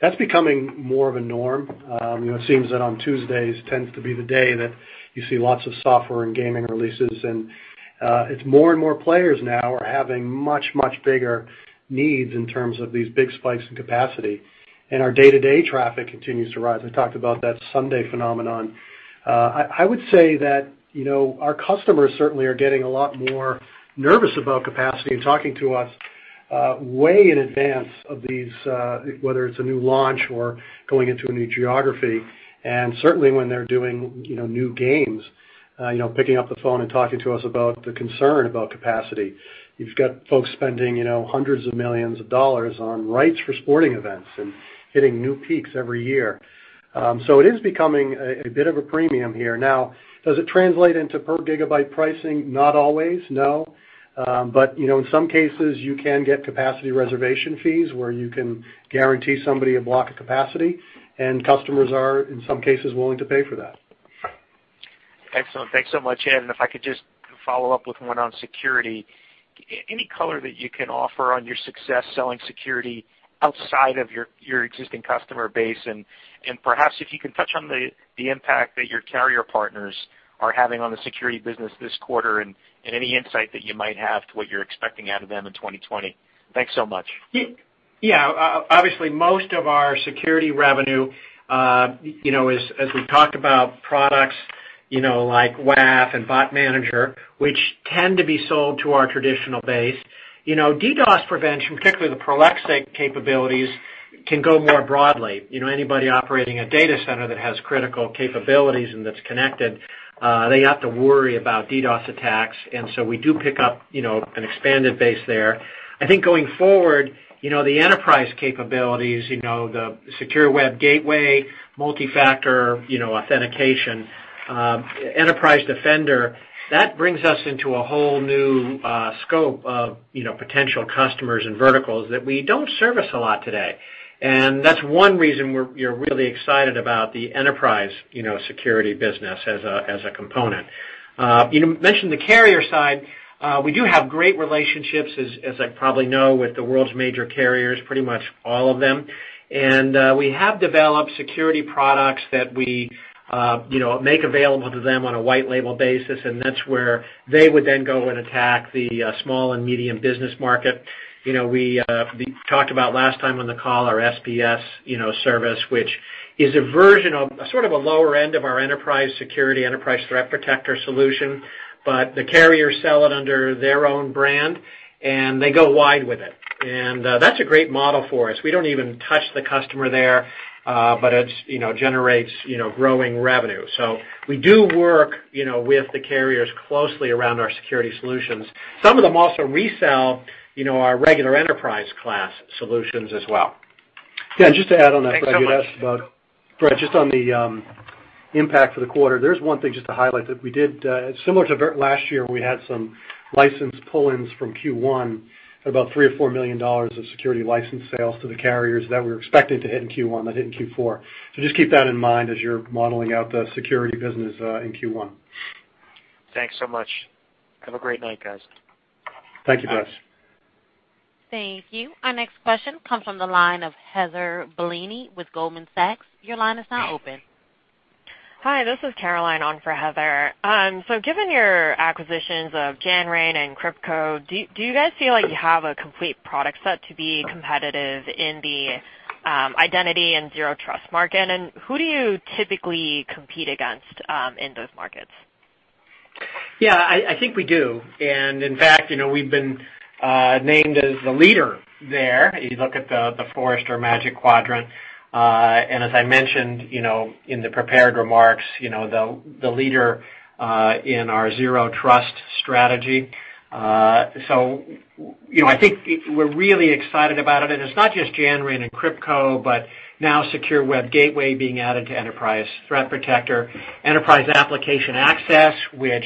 That's becoming more of a norm. It seems that on Tuesdays tends to be the day that you see lots of software and gaming releases, and it's more and more players now are having much bigger needs in terms of these big spikes in capacity. Our day-to-day traffic continues to rise. I talked about that Sunday phenomenon. I would say that our customers certainly are getting a lot more nervous about capacity and talking to us way in advance of these, whether it's a new launch or going into a new geography, and certainly when they're doing new games, picking up the phone and talking to us about the concern about capacity. You've got folks spending hundreds of millions dollars on rights for sporting events and hitting new peaks every year. It is becoming a bit of a premium here. Now, does it translate into per gigabyte pricing? Not always, no. In some cases, you can get capacity reservation fees where you can guarantee somebody a block of capacity, and customers are, in some cases, willing to pay for that. Excellent. Thanks so much, Ed. If I could just follow up with one on security? Any color that you can offer on your success selling security outside of your existing customer base, and perhaps if you can touch on the impact that your carrier partners are having on the security business this quarter and any insight that you might have to what you're expecting out of them in 2020? Thanks so much. Yeah. Obviously, most of our security revenue, as we talked about products like WAF and Bot Manager, which tend to be sold to our traditional base. DDoS prevention, particularly the Prolexic capabilities, can go more broadly. Anybody operating a data center that has critical capabilities and that's connected, they have to worry about DDoS attacks, and so we do pick up an expanded base there. I think going forward, the enterprise capabilities, the Secure Web Gateway, Multi-Factor Authentication, Enterprise Defender, that brings us into a whole new scope of potential customers and verticals that we don't service a lot today. That's one reason we're really excited about the enterprise security business as a component. You mentioned the carrier side. We do have great relationships, as I probably know, with the world's major carriers, pretty much all of them. We have developed security products that we make available to them on a white label basis, and that's where they would then go and attack the small and medium business market. We talked about last time on the call our SBS service, which is a version of sort of a lower end of our enterprise security, Enterprise Threat Protector solution, but the carriers sell it under their own brand, and they go wide with it. That's a great model for us. We don't even touch the customer there, but it generates growing revenue. We do work with the carriers closely around our security solutions. Some of them also resell our regular enterprise class solutions as well. Yeah, just to add on that, Brad, I could ask about just on the impact for the quarter. There's one thing just to highlight that we did, similar to last year, we had some license pull-ins from Q1 at about $3 or $4 million of security license sales to the carriers that we were expecting to hit in Q1 that hit in Q4. Just keep that in mind as you're modeling out the security business in Q1. Thanks so much. Have a great night, guys. Thank you, Brad. Thank you. Our next question comes from the line of Heather Bellini with Goldman Sachs. Your line is now open. Hi, this is Caroline on for Heather. Given your acquisitions of Janrain and KryptCo, do you guys feel like you have a complete product set to be competitive in the Identity and Zero Trust market? Who do you typically compete against in those markets? Yeah, I think we do. In fact, we've been named as the leader there, if you look at the Forrester Wave. As I mentioned, in the prepared remarks, the leader in our Zero Trust strategy. I think we're really excited about it, and it's not just Janrain and KryptCo, but now Secure Web Gateway being added to Enterprise Threat Protector, Enterprise Application Access, which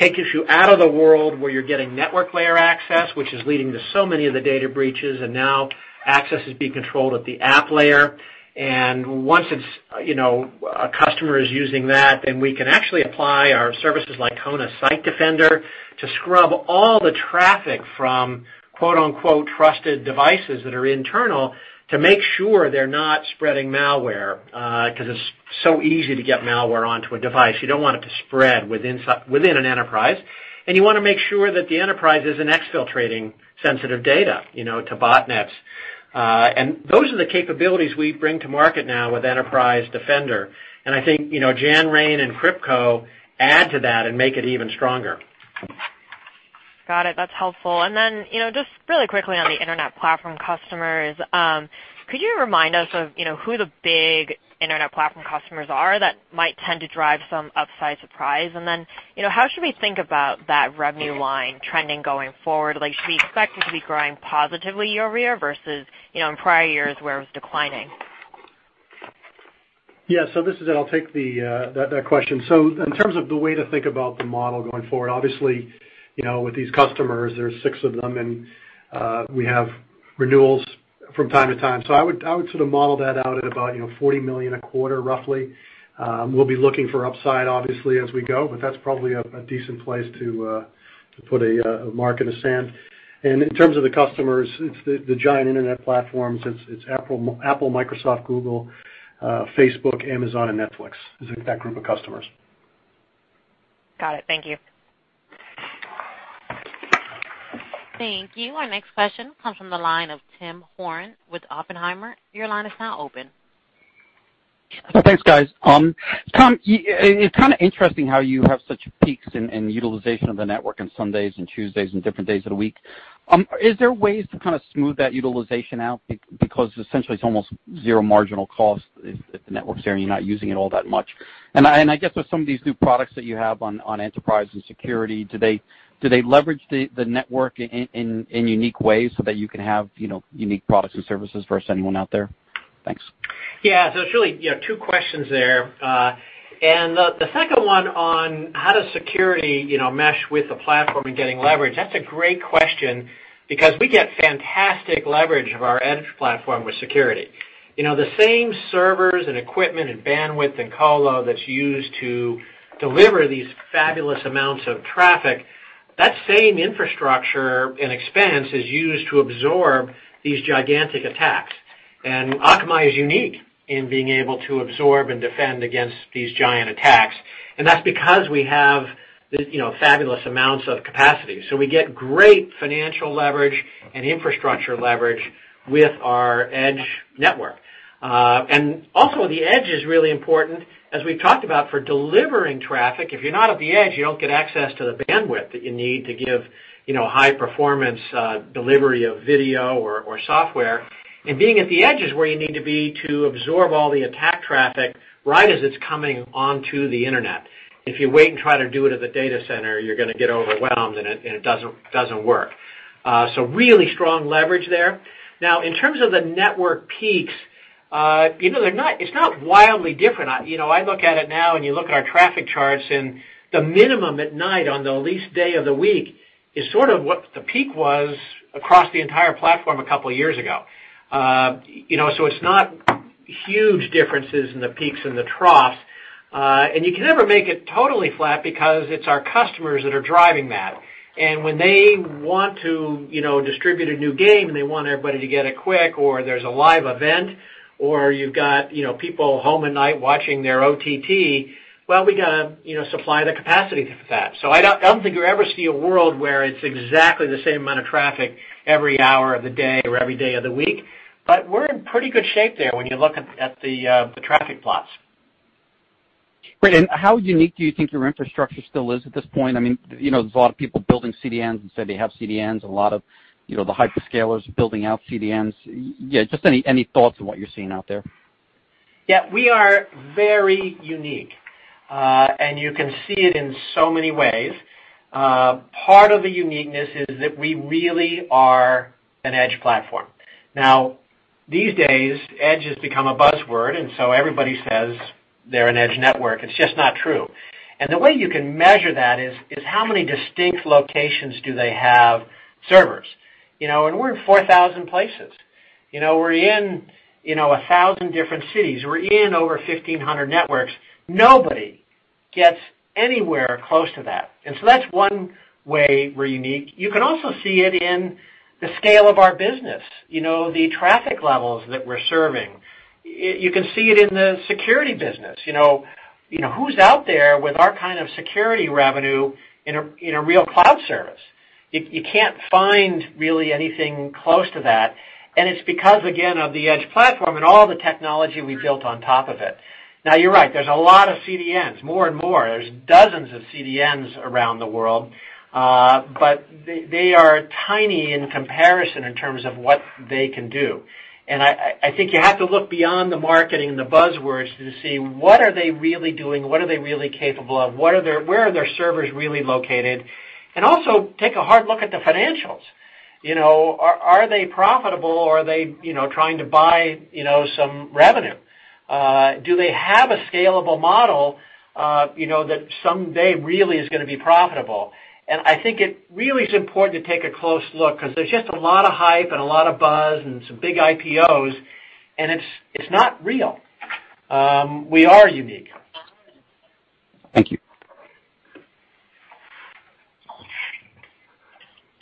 takes you out of the world where you're getting network layer access, which is leading to so many of the data breaches, and now access is being controlled at the app layer. Once a customer is using that, then we can actually apply our services like Kona Site Defender to scrub all the traffic from "trusted devices" that are internal to make sure they're not spreading malware, because it's so easy to get malware onto a device. You don't want it to spread within an enterprise, you want to make sure that the enterprise isn't exfiltrating sensitive data to botnets. Those are the capabilities we bring to market now with Enterprise Defender, and I think Janrain and KryptCo add to that and make it even stronger. Got it. That's helpful. Just really quickly on the internet platform customers, could you remind us of who the big internet platform customers are that might tend to drive some upside surprise? How should we think about that revenue line trending going forward? Should we expect it to be growing positively year-over-year versus in prior years where it was declining? This is Ed. I'll take that question. In terms of the way to think about the model going forward, obviously, with these customers, there's six of them, and we have renewals from time to time. I would sort of model that out at about $40 million a quarter, roughly. We'll be looking for upside, obviously, as we go, but that's probably a decent place to put a mark in the sand. In terms of the customers, it's the giant internet platforms. It's Apple, Microsoft, Google, Facebook, Amazon, and Netflix. It's that group of customers. Got it. Thank you. Thank you. Our next question comes from the line of Tim Horan with Oppenheimer. Your line is now open. Thanks, guys. Tom, it's kind of interesting how you have such peaks in utilization of the network on Sundays and Tuesdays and different days of the week. Is there ways to kind of smooth that utilization out? Because essentially, it's almost zero marginal cost if the network's there and you're not using it all that much. I guess with some of these new products that you have on enterprise and security, do they leverage the network in unique ways so that you can have unique products and services versus anyone out there? Thanks. Yeah. There's really two questions there. The second one on how does security mesh with the platform and getting leverage, that's a great question because we get fantastic leverage of our edge platform with security. The same servers and equipment and bandwidth and colo that's used to deliver these fabulous amounts of traffic, that same infrastructure and expense is used to absorb these gigantic attacks. Akamai is unique in being able to absorb and defend against these giant attacks, and that's because we have fabulous amounts of capacity. We get great financial leverage and infrastructure leverage with our edge network. Also, the edge is really important, as we've talked about, for delivering traffic. If you're not at the edge, you don't get access to the bandwidth that you need to give high performance delivery of video or software. Being at the edge is where you need to be to absorb all the attack traffic right as it's coming onto the internet. If you wait and try to do it at the data center, you're going to get overwhelmed, and it doesn't work. Really strong leverage there. Now, in terms of the network peaks, it's not wildly different. I look at it now, and you look at our traffic charts, and the minimum at night on the least day of the week is sort of what the peak was across the entire platform a couple of years ago. It's not huge differences in the peaks and the troughs. You can never make it totally flat because it's our customers that are driving that. When they want to distribute a new game, and they want everybody to get it quick, or there's a live event, or you've got people home at night watching their OTT, well, we've got to supply the capacity for that. I don't think you'll ever see a world where it's exactly the same amount of traffic every hour of the day or every day of the week, but we're in pretty good shape there when you look at the traffic plots. Great. How unique do you think your infrastructure still is at this point? There are a lot of people building CDNs and say they have CDNs, a lot of the hyperscale's building out CDNs. Yeah, just any thoughts on what you're seeing out there? Yeah. We are very unique. You can see it in so many ways. Part of the uniqueness is that we really are an edge platform. Now, these days, edge has become a buzzword, and so everybody says they're an edge network. It's just not true. The way you can measure that is how many distinct locations do they have servers? We're in 4,000 places. We're in 1,000 different cities. We're in over 1,500 networks. Nobody gets anywhere close to that. That's one way we're unique. You can also see it in the scale of our business, the traffic levels that we're serving. You can see it in the security business. Who's out there with our kind of security revenue in a real cloud service? You can't find really anything close to that, and it's because, again, of the Edge platform and all the technology we've built on top of it. Now, you're right. There's a lot of CDNs, more and more. There's dozens of CDNs around the world. They are tiny in comparison in terms of what they can do. I think you have to look beyond the marketing and the buzzwords to see what are they really doing, what are they really capable of, where are their servers really located, and also take a hard look at the financials. Are they profitable or are they trying to buy some revenue? Do they have a scalable model that someday really is going to be profitable? I think it really is important to take a close look because there's just a lot of hype and a lot of buzz and some big IPOs, and it's not real. We are unique. Thank you.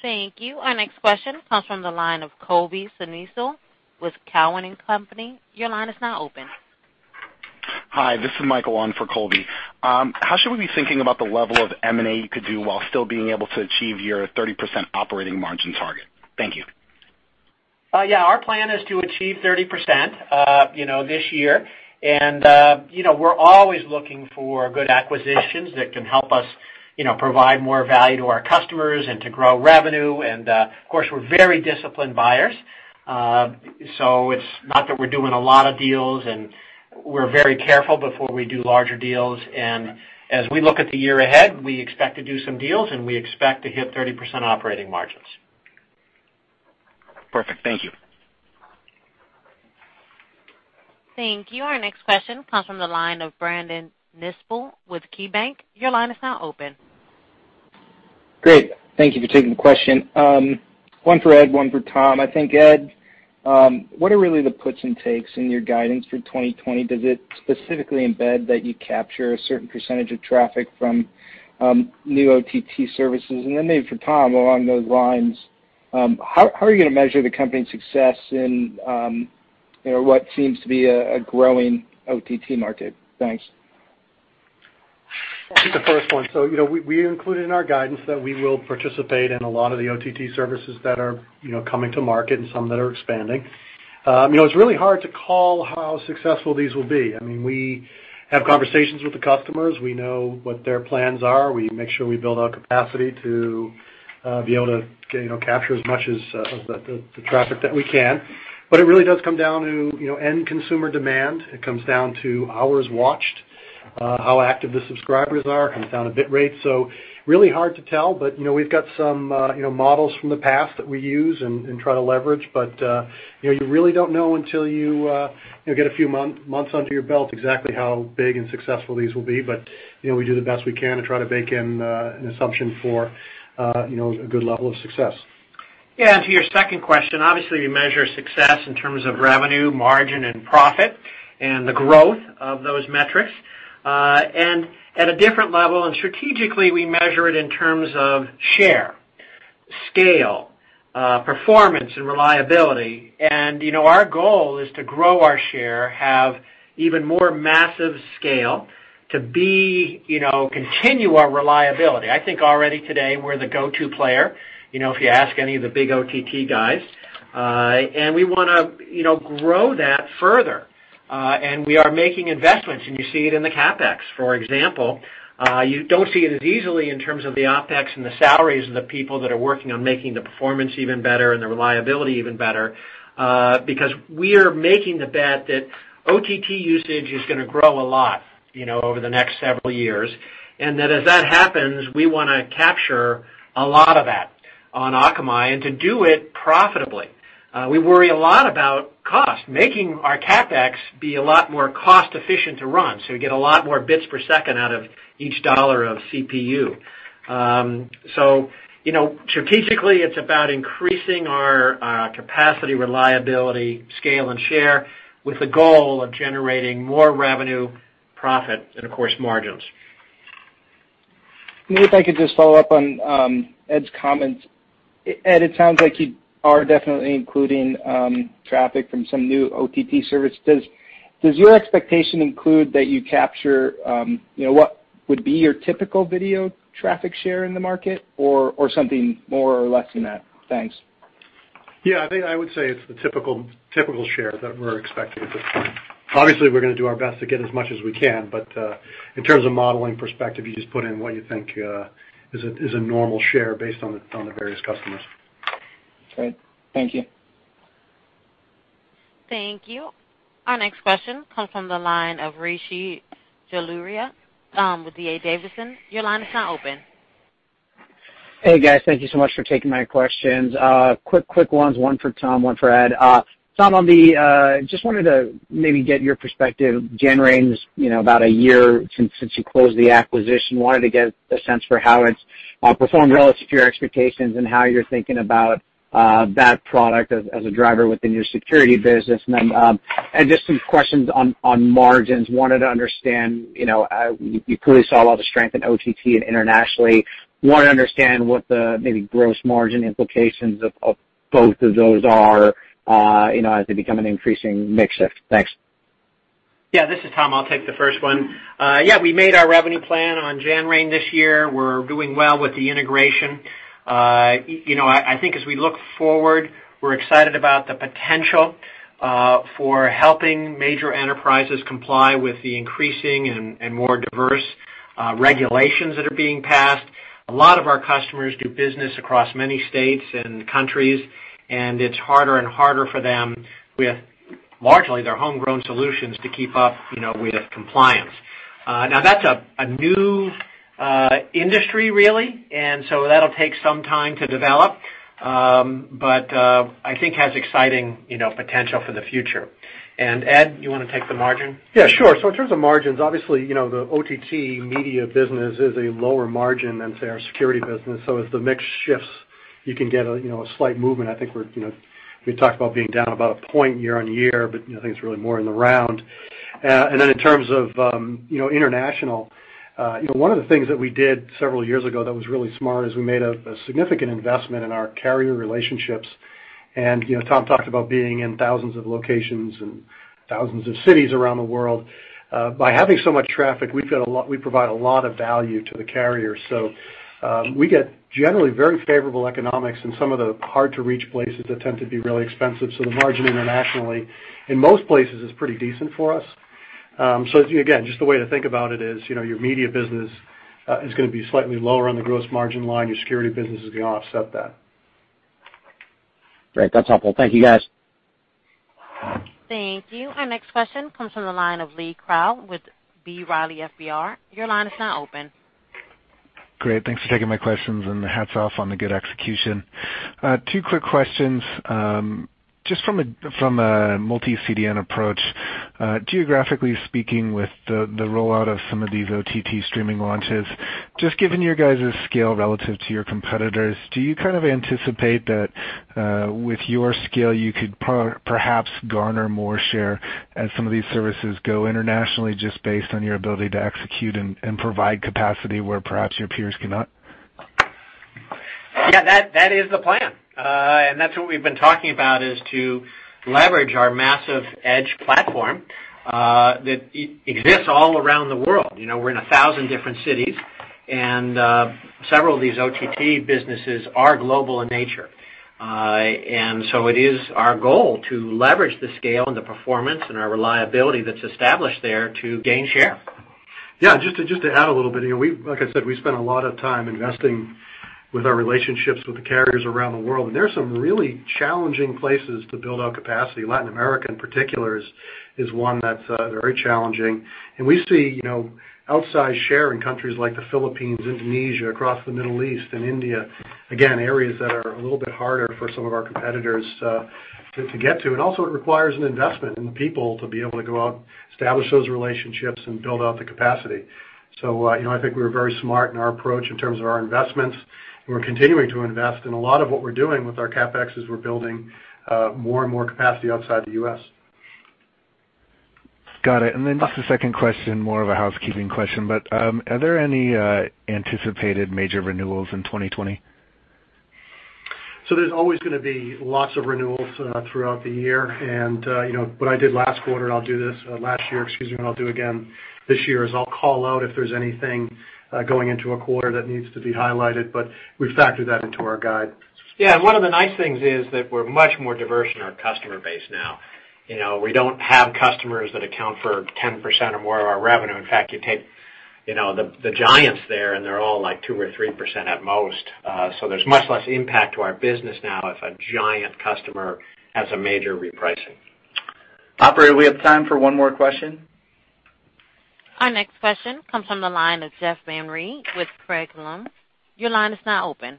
Thank you. Our next question comes from the line of Colby Synesael with Cowen and Company. Your line is now open. Hi, this is Michael on for Colby. How should we be thinking about the level of M&A you could do while still being able to achieve your 30% operating margin target? Thank you. Yeah, our plan is to achieve 30% this year. We're always looking for good acquisitions that can help us provide more value to our customers and to grow revenue. Of course, we're very disciplined buyers. It's not that we're doing a lot of deals, and we're very careful before we do larger deals. As we look at the year ahead, we expect to do some deals, and we expect to hit 30% operating margins. Perfect. Thank you. Thank you. Our next question comes from the line of Brandon Nispel with KeyBanc. Your line is now open. Great. Thank you for taking the question. One for Ed, one for Tom. I think, Ed, what are really the puts and takes in your guidance for 2020? Does it specifically embed that you capture a certain percentage of traffic from new OTT services? Then maybe for Tom, along those lines, how are you going to measure the company's success in what seems to be a growing OTT market? Thanks. I'll take the first one. We included in our guidance that we will participate in a lot of the OTT services that are coming to market and some that are expanding. It's really hard to call how successful these will be. We have conversations with the customers. We know what their plans are. We make sure we build our capacity to be able to capture as much of the traffic that we can. It really does come down to end consumer demand. It comes down to hours watched, how active the subscribers are, comes down to bit rate. Really hard to tell, but we've got some models from the past that we use and try to leverage, but you really don't know until you get a few months under your belt exactly how big and successful these will be. We do the best we can to try to bake in an assumption for a good level of success. Yeah, to your second question, obviously, we measure success in terms of revenue, margin, and profit and the growth of those metrics. At a different level, and strategically, we measure it in terms of share, scale, performance, and reliability. Our goal is to grow our share, have even more massive scale, to continue our reliability. I think already today we're the go-to player, if you ask any of the big OTT guys. We want to grow that further. We are making investments, and you see it in the CapEx, for example. You don't see it as easily in terms of the OpEx and the salaries of the people that are working on making the performance even better and the reliability even better, because we are making the bet that OTT usage is going to grow a lot over the next several years. As that happens, we want to capture a lot of that on Akamai and to do it profitably. We worry a lot about cost, making our CapEx be a lot more cost-efficient to run, so we get a lot more bits per second out of each dollar of CPU. Strategically, it's about increasing our capacity, reliability, scale, and share with the goal of generating more revenue, profit, and, of course, margins. Maybe if I could just follow up on Ed's comments. Ed, it sounds like you are definitely including traffic from some new OTT service. Does your expectation include that you capture what would be your typical video traffic share in the market or something more or less than that? Thanks. I think I would say it's the typical share that we're expecting at this time. Obviously, we're going to do our best to get as much as we can, but in terms of modeling perspective, you just put in what you think is a normal share based on the various customers. Great. Thank you. Thank you. Our next question comes from the line of Rishi Jaluria with D.A. Davidson. Your line is now open. Hey, guys. Thank you so much for taking my questions. Quick ones, one for Tom, one for Ed. Tom, just wanted to maybe get your perspective. Janrain's about a year since you closed the acquisition. Wanted to get a sense for how it's performed relative to your expectations and how you're thinking about that product as a driver within your security business. Ed, just some questions on margins. Wanted to understand, you clearly saw a lot of strength in OTT and internationally. Want to understand what the maybe gross margin implications of both of those are as they become an increasing mix shift. Thanks. Yeah, this is Tom. I'll take the first one. Yeah, we made our revenue plan on Janrain this year. We're doing well with the integration. I think as we look forward, we're excited about the potential for helping major enterprises comply with the increasing and more diverse regulations that are being passed. A lot of our customers do business across many states and countries, and it's harder and harder for them with largely their homegrown solutions to keep up with compliance. Now that's a new industry, really, and so that'll take some time to develop. I think has exciting potential for the future. Ed, you want to take the margin? Sure. In terms of margins, obviously, the OTT media business is a lower margin than, say, our security business. As the mix shifts, you can get a slight movement. I think we talked about being down about a point year on year, but I think it's really more in the round. In terms of international, one of the things that we did several years ago that was really smart is we made a significant investment in our carrier relationships. Tom talked about being in thousands of locations and thousands of cities around the world. By having so much traffic, we provide a lot of value to the carrier. We get generally very favorable economics in some of the hard-to-reach places that tend to be really expensive. The margin internationally, in most places, is pretty decent for us. Again, just the way to think about it is, your media business is going to be slightly lower on the gross margin line. Your security business is going to offset that. Great. That's helpful. Thank you, guys. Thank you. Our next question comes from the line of Lee Krowl with B. Riley FBR. Your line is now open. Great. Thanks for taking my questions, and hats off on the good execution. Two quick questions. Just from a multi-CDN approach, geographically speaking, with the rollout of some of these OTT streaming launches, just given your guys' scale relative to your competitors, do you kind of anticipate that with your scale you could perhaps garner more share as some of these services go internationally just based on your ability to execute and provide capacity where perhaps your peers cannot? Yeah, that is the plan. That's what we've been talking about, is to leverage our massive edge platform that exists all around the world. We're in 1,000 different cities, and several of these OTT businesses are global in nature. It is our goal to leverage the scale and the performance and our reliability that's established there to gain share. Yeah, just to add a little bit here. Like I said, we spent a lot of time investing with our relationships with the carriers around the world, and there are some really challenging places to build out capacity. Latin America, in particular, is one that's very challenging. We see outsized share in countries like the Philippines, Indonesia, across the Middle East and India. Again, areas that are a little bit harder for some of our competitors to get to. Also it requires an investment in people to be able to go out, establish those relationships and build out the capacity. I think we're very smart in our approach in terms of our investments, and we're continuing to invest. A lot of what we're doing with our CapEx is we're building more and more capacity outside the U.S. Got it. Just a second question, more of a housekeeping question, are there any anticipated major renewals in 2020? There's always going to be lots of renewals throughout the year. What I did last quarter, last year, excuse me, what I'll do again this year is I'll call out if there's anything going into a quarter that needs to be highlighted, but we factor that into our guide. Yeah. One of the nice things is that we're much more diverse in our customer base now. We don't have customers that account for 10% or more of our revenue. In fact, you take the giants there, and they're all 2% or 3% at most. There's much less impact to our business now if a giant customer has a major repricing. Operator, do we have time for one more question? Our next question comes from the line of Jeff Van Rhee with Craig-Hallum. Your line is now open.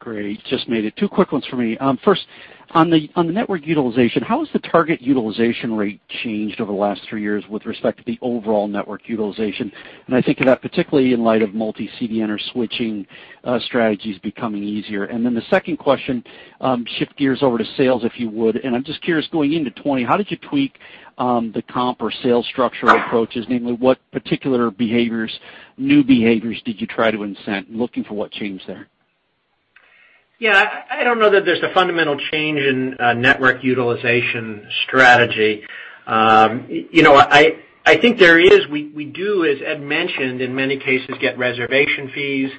Great. Just made it. Two quick ones for me. First, on the network utilization, how has the target utilization rate changed over the last three years with respect to the overall network utilization? I think of that particularly in light of multi-CDN or switching strategies becoming easier. The second question, shift gears over to sales, if you would, and I'm just curious, going into 2020, how did you tweak the comp or sales structural approaches? Namely, what particular behaviors, new behaviors, did you try to incent? I'm looking for what changed there. Yeah, I don't know that there's a fundamental change in network utilization strategy. I think there is. We do, as Ed mentioned, in many cases, get reservation fees.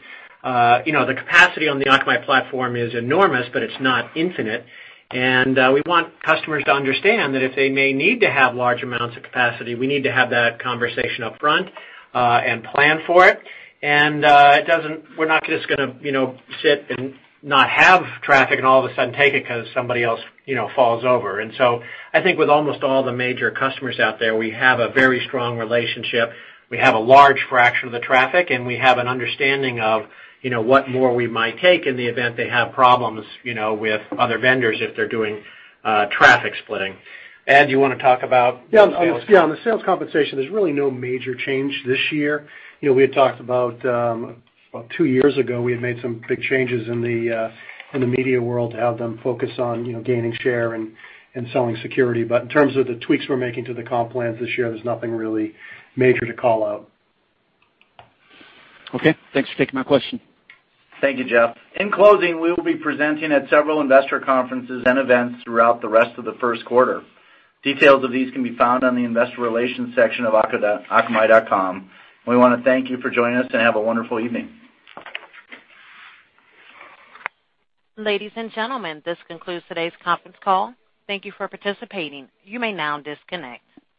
The capacity on the Akamai platform is enormous, but it's not infinite. We want customers to understand that if they may need to have large amounts of capacity, we need to have that conversation upfront and plan for it. We're not just going to sit and not have traffic and all of a sudden take it because somebody else falls over. I think with almost all the major customers out there, we have a very strong relationship. We have a large fraction of the traffic, and we have an understanding of what more we might take in the event they have problems with other vendors if they're doing traffic splitting. Ed, do you want to talk about the sales? Yeah, on the sales compensation, there's really no major change this year. We had talked about two years ago; we had made some big changes in the media world to have them focus on gaining share and selling security. In terms of the tweaks we're making to the comp plans this year, there's nothing really major to call out. Okay. Thanks for taking my question. Thank you, Jeff. In closing, we will be presenting at several investor conferences and events throughout the rest of the first quarter. Details of these can be found on the investor relations section of akamai.com. We want to thank you for joining us and have a wonderful evening. Ladies and gentlemen, this concludes today's conference call. Thank you for participating. You may now disconnect.